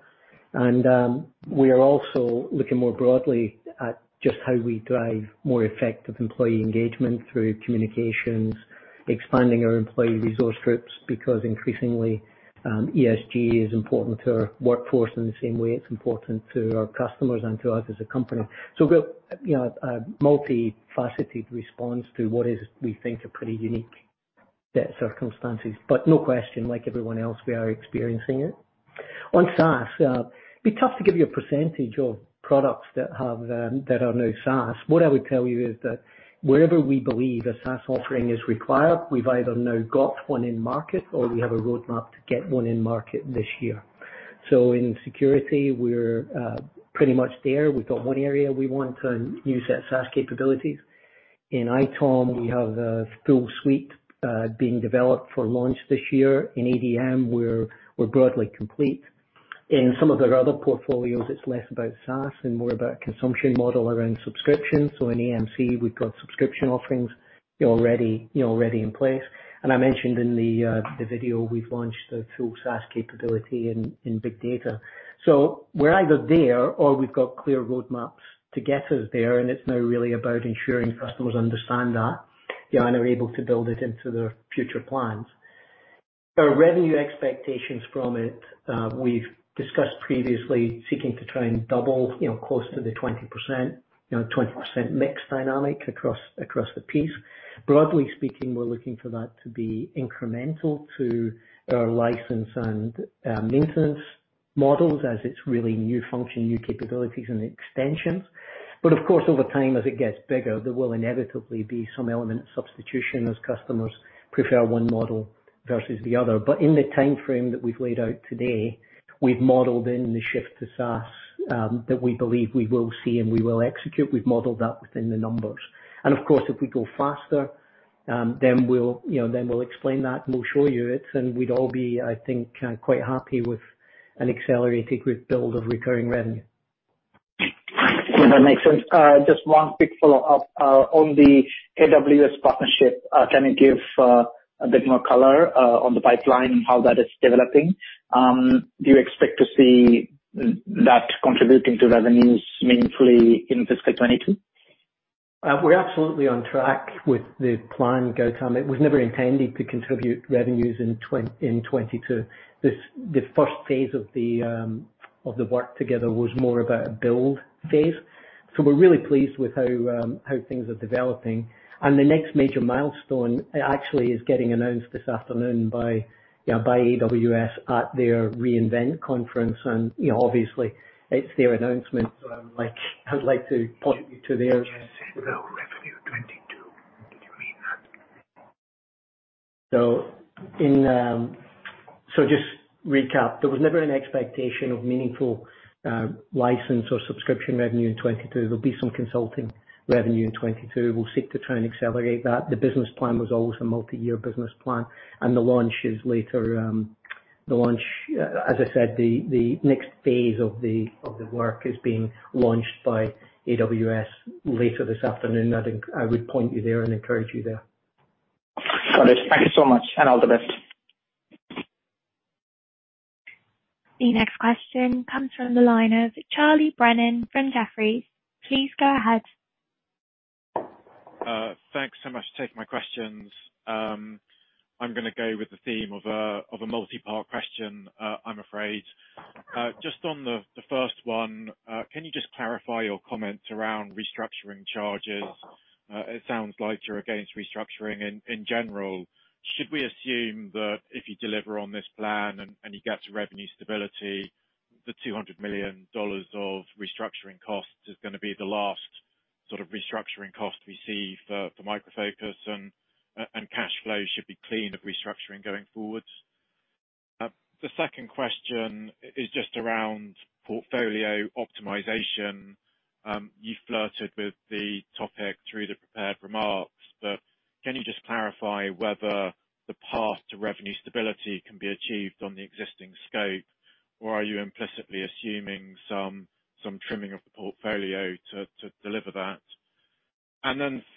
We are also looking more broadly at just how we drive more effective employee engagement through communications, expanding our employee resource groups, because increasingly, ESG is important to our workforce in the same way it's important to our customers and to us as a company. We've got, you know, a multifaceted response to what is, we think, a pretty unique set of circumstances. No question, like everyone else, we are experiencing it. On SaaS, it'd be tough to give you a percentage of products that are now SaaS. What I would tell you is that wherever we believe a SaaS offering is required, we've either now got one in market or we have a roadmap to get one in market this year. In security, we're pretty much there. We've got one area we want a new set of SaaS capabilities. In ITOM, we have a full suite, being developed for launch this year. In ADM, we're broadly complete. In some of our other portfolios, it's less about SaaS and more about consumption model around subscriptions. In AM&C, we've got subscription offerings, you know, already in place. I mentioned in the video, we've launched a full SaaS capability in big data. We're either there or we've got clear roadmaps to get us there, and it's now really about ensuring customers understand that, you know, and are able to build it into their future plans. Our revenue expectations from it, we've discussed previously seeking to try and double, you know, close to the 20% mix dynamic across the piece. Broadly speaking, we're looking for that to be incremental to our license and maintenance models as it's really new function, new capabilities and extensions. Of course, over time, as it gets bigger, there will inevitably be some element of substitution as customers prefer one model versus the other. In the timeframe that we've laid out today, we've modeled in the shift to SaaS, that we believe we will see and we will execute. We've modeled that within the numbers. Of course, if we go faster, then we'll, you know, explain that and we'll show you it. We'd all be, I think, quite happy with an accelerated build of recurring revenue. Yeah, that makes sense. Just one quick follow-up on the AWS partnership. Can you give a bit more color on the pipeline and how that is developing? Do you expect to see that contributing to revenues meaningfully in fiscal 2022? We're absolutely on track with the plan, Gautam. It was never intended to contribute revenues in 2022. The first phase of the work together was more about a build phase. We're really pleased with how things are developing. The next major milestone actually is getting announced this afternoon by, you know, by AWS at their re:Invent conference. You know, obviously it's their announcement, so I would like to point you to their You just said, though, revenue 22. Just recap, there was never an expectation of meaningful license or subscription revenue in 2022. There'll be some consulting revenue in 2022. We'll seek to try and accelerate that. The business plan was always a multi-year business plan, and the launch is later. As I said, the next phase of the work is being launched by AWS later this afternoon. I think I would point you there and encourage you there. Got it. Thank you so much, and all the best. The next question comes from the line of Charlie Brennan from Jefferies. Please go ahead. Thanks so much for taking my questions. I'm gonna go with the theme of a multi-part question, I'm afraid. Just on the first one, can you just clarify your comments around restructuring charges? It sounds like you're against restructuring in general. Should we assume that if you deliver on this plan and you get to revenue stability, the $200 million of restructuring costs is gonna be the last sort of restructuring cost we see for Micro Focus and cash flows should be clean of restructuring going forward? The second question is just around portfolio optimization. You flirted with the topic through the prepared remarks, but can you just clarify whether the path to revenue stability can be achieved on the existing scope? Or are you implicitly assuming some trimming of the portfolio to deliver that?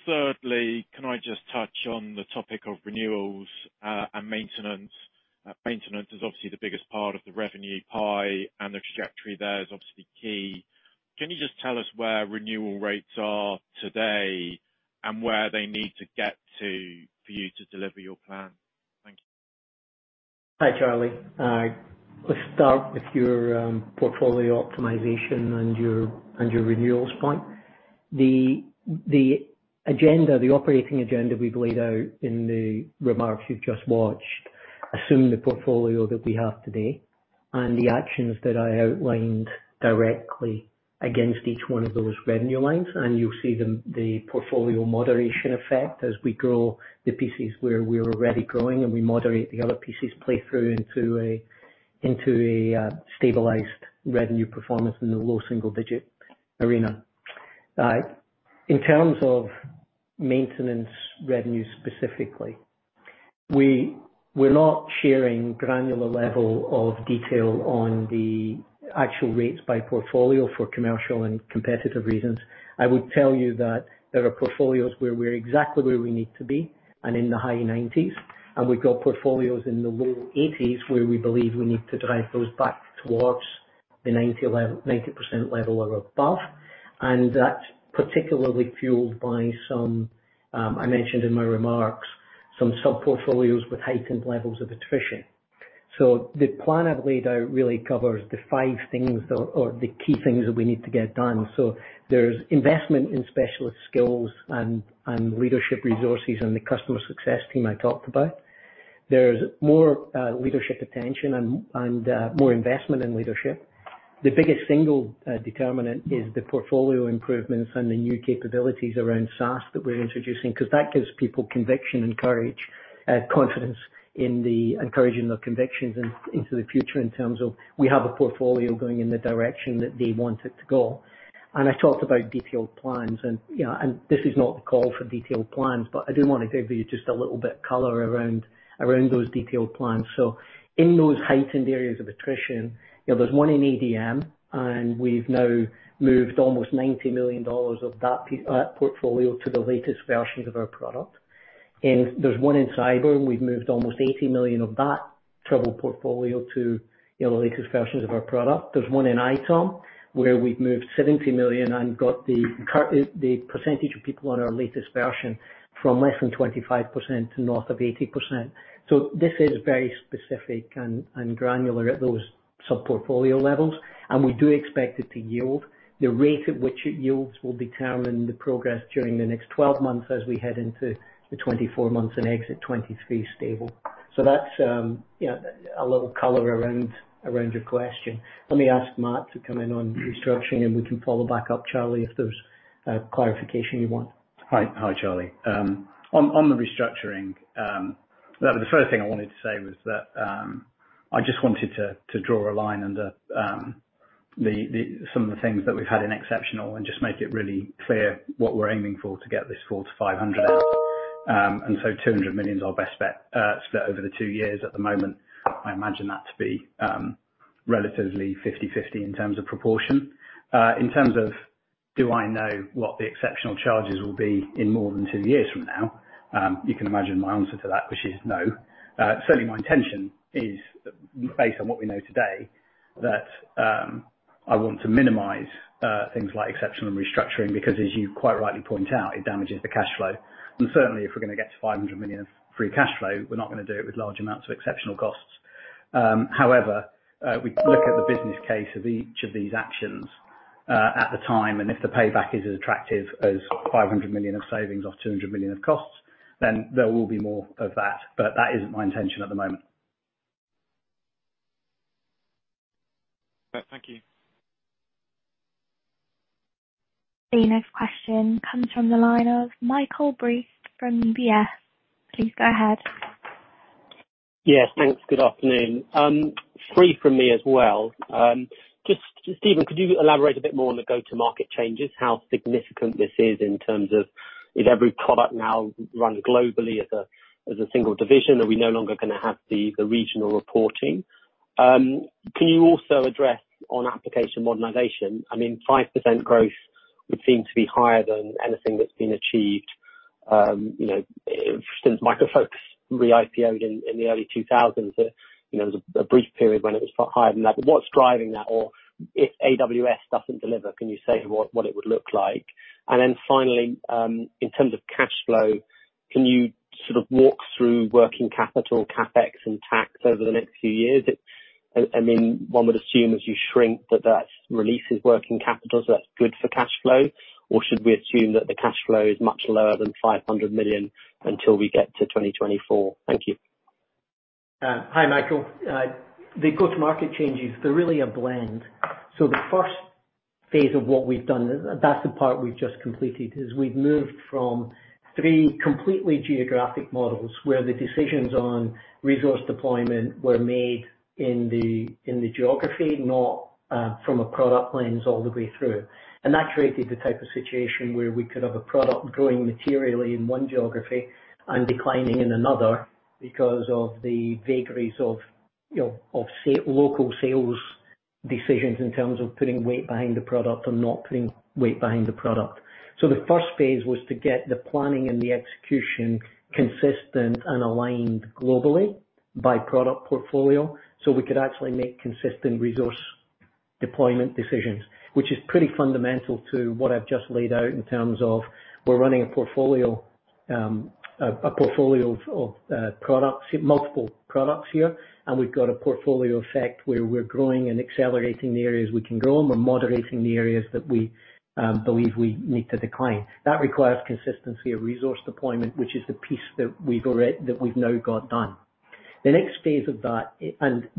Thirdly, can I just touch on the topic of renewals, and maintenance? Maintenance is obviously the biggest part of the revenue pie and the trajectory there is obviously key. Can you just tell us where renewal rates are today and where they need to get to for you to deliver your plan? Thank you. Hi, Charlie. Let's start with your portfolio optimization and your renewals point. The operating agenda we've laid out in the remarks you've just watched assume the portfolio that we have today and the actions that I outlined directly against each one of those revenue lines, and you'll see the portfolio moderation effect as we grow the pieces where we're already growing, and we moderate the other pieces play through into a stabilized revenue performance in the low single-digit arena. In terms of maintenance revenue specifically, we're not sharing granular level of detail on the actual rates by portfolio for commercial and competitive reasons. I would tell you that there are portfolios where we're exactly where we need to be and in the high 90s, and we've got portfolios in the low 80s where we believe we need to drive those back towards the 90% level or above. That's particularly fueled by some I mentioned in my remarks, some sub-portfolios with heightened levels of attrition. The plan I've laid out really covers the five things or the key things that we need to get done. There's investment in specialist skills and leadership resources and the customer success team I talked about. There's more leadership attention and more investment in leadership. The biggest single determinant is the portfolio improvements and the new capabilities around SaaS that we're introducing, 'cause that gives people conviction and courage, confidence in the encouraging of convictions in, into the future in terms of we have a portfolio going in the direction that they want it to go. I talked about detailed plans and, you know, and this is not the call for detailed plans, but I do wanna give you just a little bit color around those detailed plans. In those heightened areas of attrition, you know, there's one in ADM, and we've now moved almost $90 million of that portfolio to the latest versions of our product. There's one in CyberRes, and we've moved almost $80 million of that troubled portfolio to, you know, the latest versions of our product. There's one in ITOM, where we've moved $70 million and got the percentage of people on our latest version from less than 25% to north of 80%. This is very specific and granular at those sub-portfolio levels, and we do expect it to yield. The rate at which it yields will determine the progress during the next 12 months as we head into 2024 and exit 2023 stable. That's a little color around your question. Let me ask Matt to come in on restructuring, and we can follow back up, Charlie, if there's clarification you want. Hi. Hi, Charlie. On the restructuring, the first thing I wanted to say was that I just wanted to draw a line under some of the things that we've had in exceptional and just make it really clear what we're aiming for to get this forward to 500. $200 million is our best bet, split over the two years at the moment. I imagine that to be relatively 50/50 in terms of proportion. In terms of do I know what the exceptional charges will be in more than two years from now, you can imagine my answer to that, which is no. Certainly my intention is based on what we know today, that I want to minimize things like exceptional and restructuring because as you quite rightly point out, it damages the cash flow. Certainly if we're gonna get to $500 million of free cash flow, we're not gonna do it with large amounts of exceptional costs. However, we look at the business case of each of these actions at the time, and if the payback is as attractive as $500 million of savings or $200 million of costs, then there will be more of that. That isn't my intention at the moment. Right. Thank you. The next question comes from the line of Michael Briest from UBS. Please go ahead. Yes. Thanks. Good afternoon. Three from me as well. Just Stephen, could you elaborate a bit more on the go-to-market changes, how significant this is in terms of is every product now run globally as a single division? Are we no longer gonna have the regional reporting? Can you also address on application modernization, I mean, 5% growth would seem to be higher than anything that's been achieved, you know, since Micro Focus re-IPOed in the early 2000s. You know, there was a brief period when it was far higher than that. But what's driving that? Or if AWS doesn't deliver, can you say what it would look like? And then finally, in terms of cash flow, can you sort of walk through working capital, CapEx, and tax over the next few years? I mean, one would assume as you shrink that releases working capital, so that's good for cash flow, or should we assume that the cash flow is much lower than $500 million until we get to 2024? Thank you. Hi, Michael. The go-to-market changes, they're really a blend. The first phase of what we've done, that's the part we've just completed, is we've moved from three completely geographic models where the decisions on resource deployment were made in the geography, not from a product lens all the way through. That created the type of situation where we could have a product growing materially in one geography and declining in another because of the vagaries of, you know, of local sales decisions in terms of putting weight behind the product and not putting weight behind the product. The first phase was to get the planning and the execution consistent and aligned globally by product portfolio, so we could actually make consistent resource deployment decisions. Which is pretty fundamental to what I've just laid out in terms of we're running a portfolio, a portfolio of products, multiple products here. We've got a portfolio effect where we're growing and accelerating the areas we can grow, and we're moderating the areas that we believe we need to decline. That requires consistency of resource deployment, which is the piece that we've now got done. The next phase of that,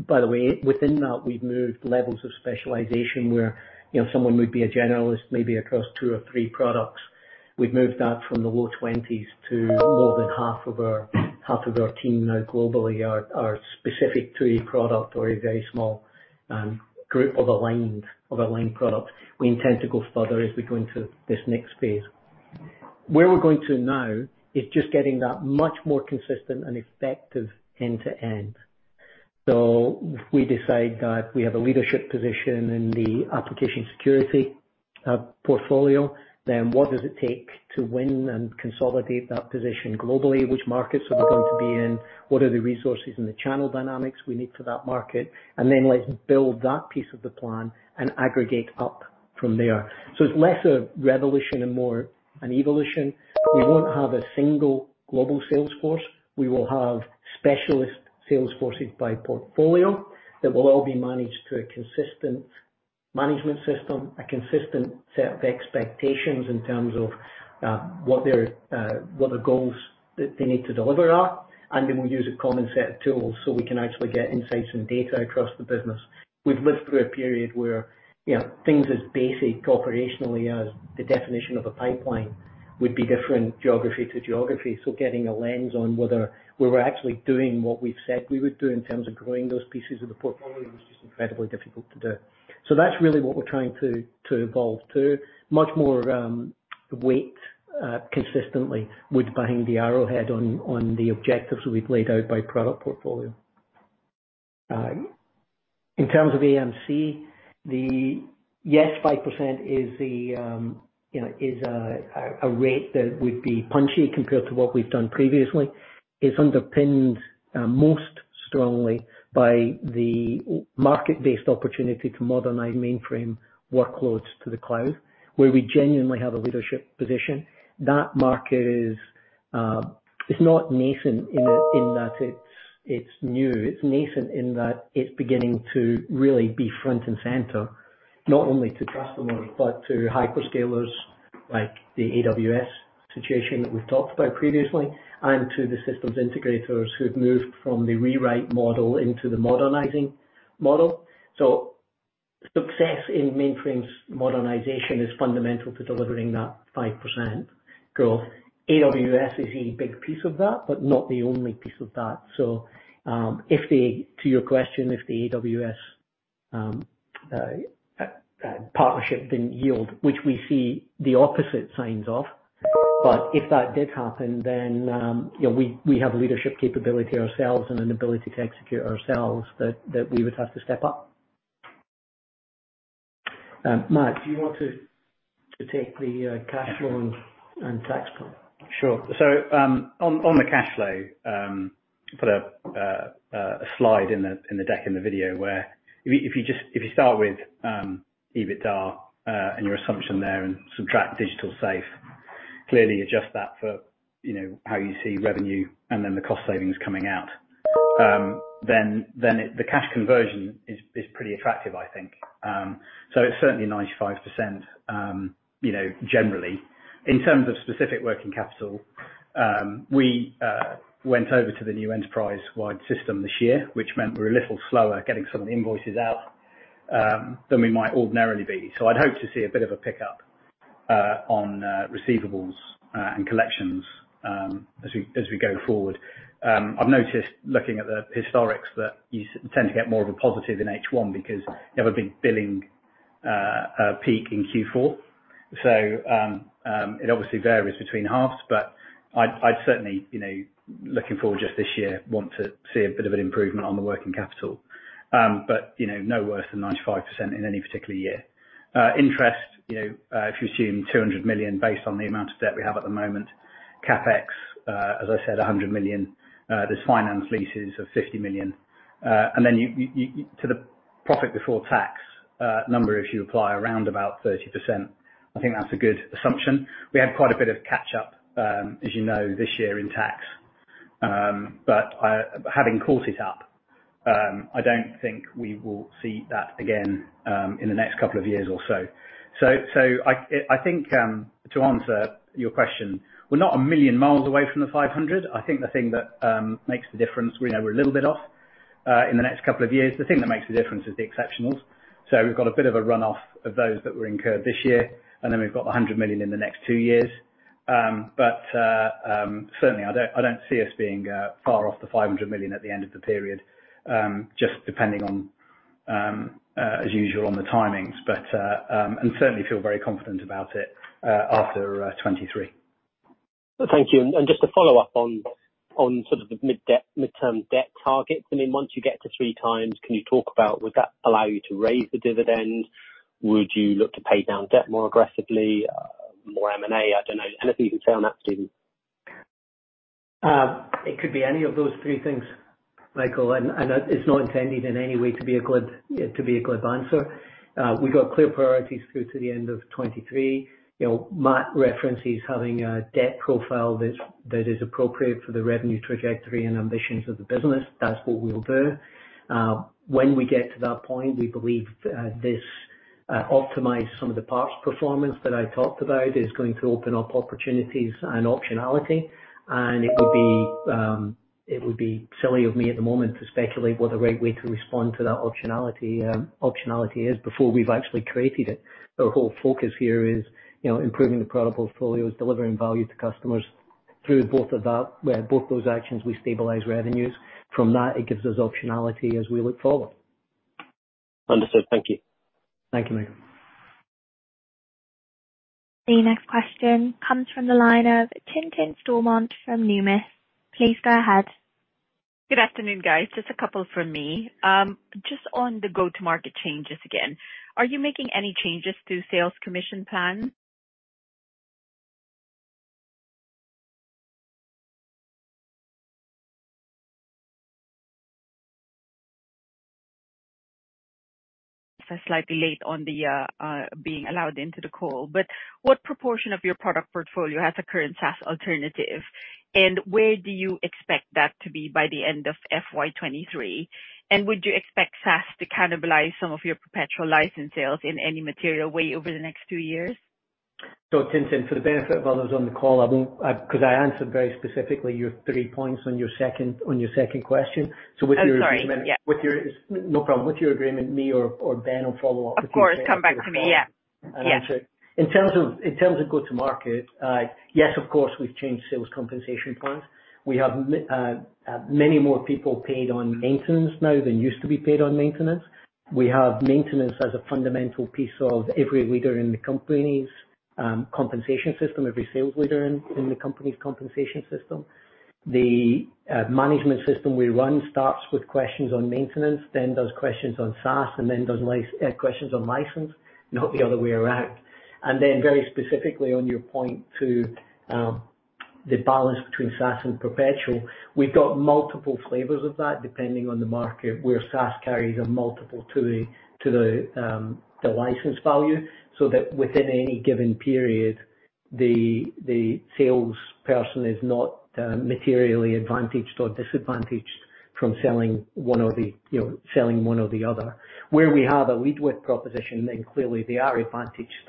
by the way, within that we've moved levels of specialization where, you know, someone would be a generalist maybe across two or three products. We've moved that from the low twenties to more than half of our team now globally are specific to a product or a very small group of aligned products. We intend to go further as we go into this next phase. Where we're going to now is just getting that much more consistent and effective end to end. If we decide that we have a leadership position in the application security portfolio, then what does it take to win and consolidate that position globally? Which markets are we going to be in? What are the resources and the channel dynamics we need for that market? Then let's build that piece of the plan and aggregate up from there. It's less a revolution and more an evolution. We won't have a single global sales force. We will have specialist sales forces by portfolio that will all be managed through a consistent management system, a consistent set of expectations in terms of what the goals that they need to deliver are. We'll use a common set of tools so we can actually get insights and data across the business. We've lived through a period where, you know, things as basic operationally as the definition of a pipeline would be different geography to geography. Getting a lens on whether we were actually doing what we've said we would do in terms of growing those pieces of the portfolio was just incredibly difficult to do. That's really what we're trying to evolve to. Much more weight consistently behind the arrowhead on the objectives that we've laid out by product portfolio. In terms of AM&C. Yes, 5% is a rate that would be punchy compared to what we've done previously. It's underpinned most strongly by the market-based opportunity to modernize mainframe workloads to the cloud where we genuinely have a leadership position. That market is not nascent in that it's new. It's nascent in that it's beginning to really be front and center, not only to customers, but to hyperscalers like the AWS situation that we've talked about previously, and to the systems integrators who have moved from the rewrite model into the modernizing model. Success in mainframes modernization is fundamental to delivering that 5% growth. AWS is a big piece of that, but not the only piece of that. To your question, if the AWS partnership didn't yield, which we see the opposite signs of. If that did happen, then we have leadership capability ourselves and an ability to execute ourselves that we would have to step up. Matt, do you want to take the cash flow and tax point? Sure. On the cash flow, I put a slide in the deck in the video where if you just start with EBITDA and your assumption there and subtract Digital Safe, clearly adjust that for, you know, how you see revenue and then the cost savings coming out, then the cash conversion is pretty attractive I think. It's certainly 95%, you know, generally. In terms of specific working capital, we went over to the new enterprise-wide system this year, which meant we were a little slower getting some of the invoices out than we might ordinarily be. I'd hope to see a bit of a pickup on receivables and collections as we go forward. I've noticed looking at the historicals that you tend to get more of a positive in H1 because you have a big billing peak in Q4. It obviously varies between halves. I'd certainly, you know, looking forward just this year, want to see a bit of an improvement on the working capital. You know, no worse than 95% in any particular year. Interest, you know, if you assume $200 million based on the amount of debt we have at the moment. CapEx, as I said, $100 million. There's finance leases of $50 million. And then to the profit before tax number if you apply around about 30%, I think that's a good assumption. We had quite a bit of catch-up, as you know, this year in tax. Having caught up, I don't think we will see that again in the next couple of years or so. I think, to answer your question, we're not a million miles away from the $500. I think the thing that makes the difference, we know we're a little bit off in the next couple of years. The thing that makes the difference is the exceptionals. We've got a bit of a runoff of those that were incurred this year, and then we've got $100 million in the next two years. Certainly, I don't see us being far off the $500 million at the end of the period, just depending, as usual, on the timings. I certainly feel very confident about it after 2023. Thank you. Just to follow up on sort of the midterm debt targets. I mean, once you get to three times, can you talk about would that allow you to raise the dividend? Would you look to pay down debt more aggressively, more M&A? I don't know. Anything you can say on that, Stephen? It could be any of those three things, Michael. It's not intended in any way to be a glib answer. We've got clear priorities through to the end of 2023. You know, Matt references having a debt profile that is appropriate for the revenue trajectory and ambitions of the business. That's what we'll do. When we get to that point, we believe this optimization of some of the past performance that I talked about is going to open up opportunities and optionality. It would be silly of me at the moment to speculate what the right way to respond to that optionality is before we've actually created it. Our whole focus here is, you know, improving the product portfolios, delivering value to customers. Through both of those actions, we stabilize revenues. From that, it gives us optionality as we look forward. Understood. Thank you. Thank you, Michael. The next question comes from the line of Tintin Stormont from Numis. Please go ahead. Good afternoon, guys. Just a couple from me. Just on the go-to-market changes again. Are you making any changes to sales commission plans? Slightly late on the being allowed into the call. What proportion of your product portfolio has a current SaaS alternative? And where do you expect that to be by the end of FY 2023? And would you expect SaaS to cannibalize some of your perpetual license sales in any material way over the next two years? Tintin, for the benefit of others on the call, I won't 'cause I answered very specifically your three points on your second question. Oh, sorry. Yeah. With your agreement, me or Ben will follow up with you. Of course, come back to me. Yeah. To answer. Yes. In terms of go to market, yes, of course, we've changed sales compensation plans. We have many more people paid on maintenance now than used to be paid on maintenance. We have maintenance as a fundamental piece of every leader in the company's compensation system, every sales leader in the company's compensation system. The management system we run starts with questions on maintenance, then does questions on SaaS, and then does questions on license, not the other way around. Very specifically on your point to the balance between SaaS and perpetual, we've got multiple flavors of that depending on the market, where SaaS carries a multiple to the license value, so that within any given period, the sales person is not materially advantaged or disadvantaged from selling one or the, you know, other. Where we have a lead with proposition, then clearly they are advantaged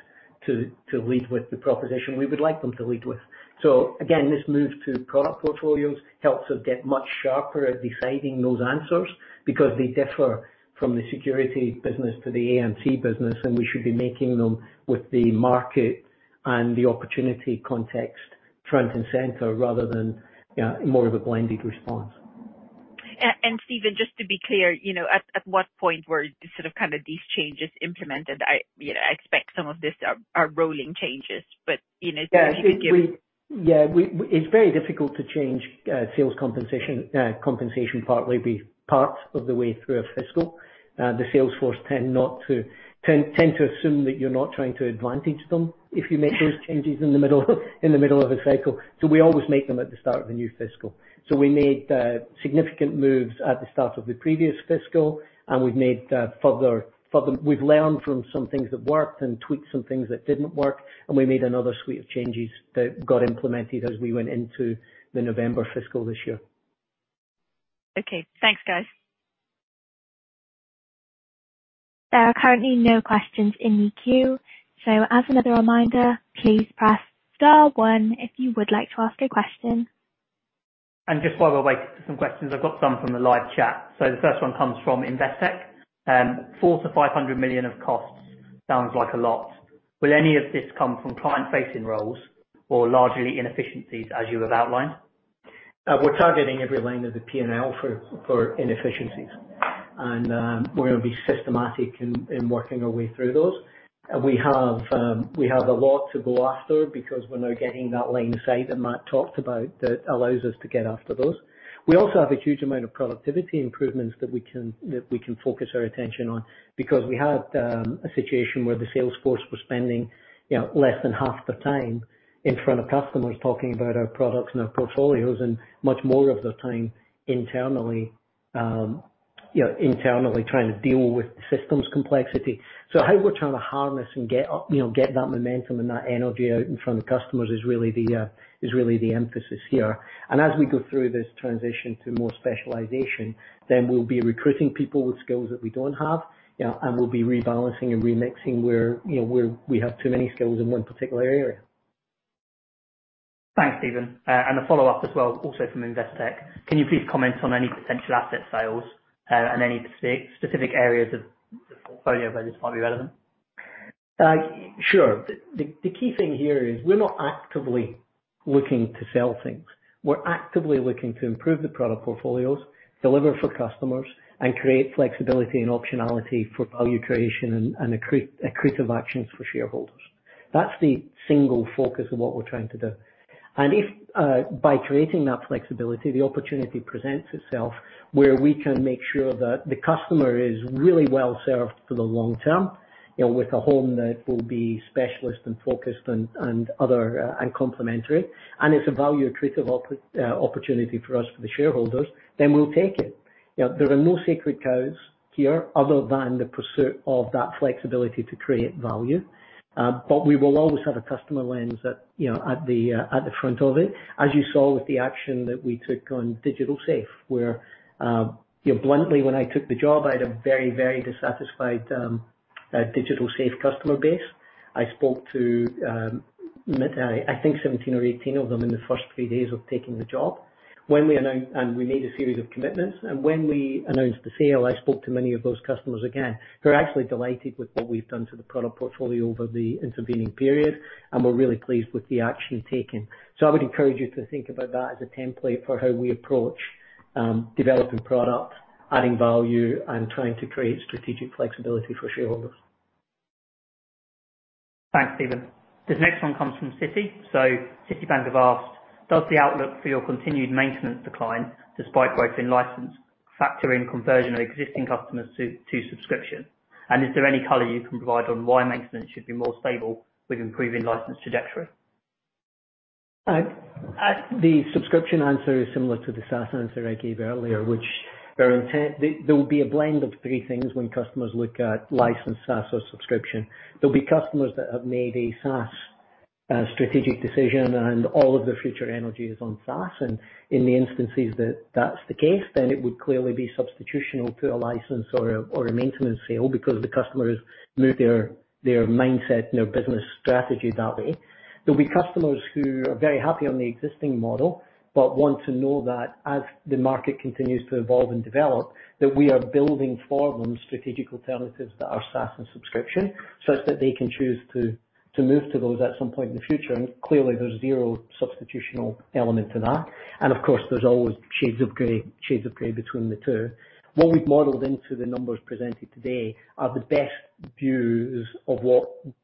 to lead with the proposition we would like them to lead with. Again, this move to product portfolios helps us get much sharper at deciding those answers because they differ from the security business to the AM&C business, and we should be making them with the market and the opportunity context front and center rather than more of a blended response. Stephen, just to be clear, you know, at what point were sort of, kind of these changes implemented? I, you know, I expect some of this are rolling changes, but, you know, if you could give- It's very difficult to change sales compensation parts of the way through a fiscal. The sales force tend not to assume that you're not trying to disadvantage them if you make those changes in the middle of a cycle. We always make them at the start of a new fiscal. We made significant moves at the start of the previous fiscal, and we've made further. We've learned from some things that worked and tweaked some things that didn't work, and we made another suite of changes that got implemented as we went into the November fiscal this year. Okay. Thanks, guys. There are currently no questions in the queue. As another reminder, please press star one if you would like to ask a question. Just by the way, some questions. I've got some from the live chat. The first one comes from Investec. $400 million-$500 million of costs sounds like a lot. Will any of this come from client-facing roles or largely inefficiencies as you have outlined? We're targeting every line of the P&L for inefficiencies. We're gonna be systematic in working our way through those. We have a lot to go after because we're now getting that line of sight that Matt talked about that allows us to get after those. We also have a huge amount of productivity improvements that we can focus our attention on because we had a situation where the sales force was spending, you know, less than half the time in front of customers talking about our products and our portfolios and much more of their time internally, you know, trying to deal with systems complexity. How we're trying to harness and get that momentum and that energy out in front of customers is really the emphasis here. As we go through this transition to more specialization, then we'll be recruiting people with skills that we don't have, and we'll be rebalancing and remixing where, you know, where we have too many skills in one particular area. Thanks, Stephen. A follow-up as well, also from Investec. Can you please comment on any potential asset sales, and any specific areas of the portfolio where this might be relevant? Sure. The key thing here is we're not actively looking to sell things. We're actively looking to improve the product portfolios, deliver for customers, and create flexibility and optionality for value creation and accretive actions for shareholders. That's the single focus of what we're trying to do. If by creating that flexibility, the opportunity presents itself where we can make sure that the customer is really well served for the long term, you know, with a home that will be specialist and focused and other and complementary, and it's a value accretive opportunity for us, for the shareholders, then we'll take it. You know, there are no sacred cows here other than the pursuit of that flexibility to create value. We will always have a customer lens at, you know, at the front of it. As you saw with the action that we took on Digital Safe, where, you know, bluntly, when I took the job, I had a very, very dissatisfied Digital Safe customer base. I spoke to, I think 17 or 18 of them in the first three days of taking the job. When we announced, we made a series of commitments. When we announced the sale, I spoke to many of those customers again. They're actually delighted with what we've done to the product portfolio over the intervening period, and were really pleased with the action taken. I would encourage you to think about that as a template for how we approach developing product, adding value, and trying to create strategic flexibility for shareholders. Thanks, Stephen. This next one comes from Citi. Citibank have asked, "Does the outlook for your continued maintenance decline despite growth in licensing, factoring in conversion of existing customers to subscription? And is there any color you can provide on why maintenance should be more stable with improving licensing trajectory? The subscription answer is similar to the SaaS answer I gave earlier. There will be a blend of three things when customers look at license, SaaS, or subscription. There'll be customers that have made a SaaS strategic decision, and all of their future energy is on SaaS. In the instances that that's the case, then it would clearly be substitutional to a license or a maintenance sale because the customer has moved their mindset and their business strategy that way. There'll be customers who are very happy on the existing model, but want to know that as the market continues to evolve and develop, that we are building for them strategic alternatives that are SaaS and subscription, such that they can choose to move to those at some point in the future. Clearly, there's zero substitutional element to that. Of course, there's always shades of gray between the two. What we've modeled into the numbers presented today are the best views of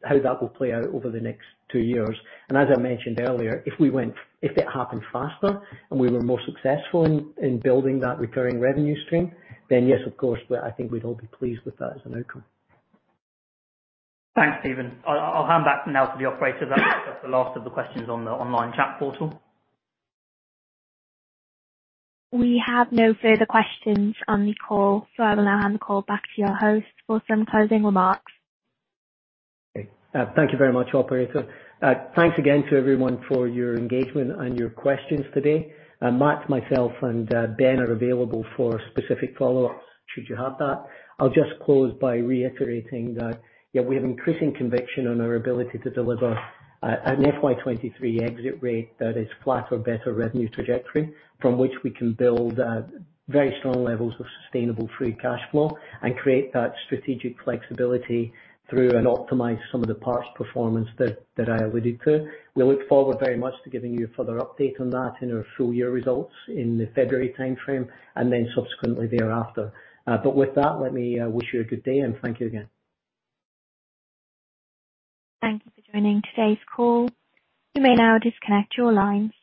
how that will play out over the next two years. As I mentioned earlier, if it happened faster, and we were more successful in building that recurring revenue stream, then yes of course, I think we'd all be pleased with that as an outcome. Thanks, Stephen. I'll hand back now to the operator. That's the last of the questions on the online chat portal. We have no further questions on the call, so I will now hand the call back to your host for some closing remarks. Thank you very much, operator. Thanks again to everyone for your engagement and your questions today. Matt, myself and Ben are available for specific follow-ups should you have that. I'll just close by reiterating that, you know, we have increasing conviction on our ability to deliver an FY 2023 exit rate that is flat or better revenue trajectory, from which we can build very strong levels of sustainable free cash flow and create that strategic flexibility through and optimize some of the parts performance that I alluded to. We look forward very much to giving you a further update on that in our full-year results in the February timeframe, and then subsequently thereafter. With that, let me wish you a good day, and thank you again. Thank you for joining today's call. You may now disconnect your lines.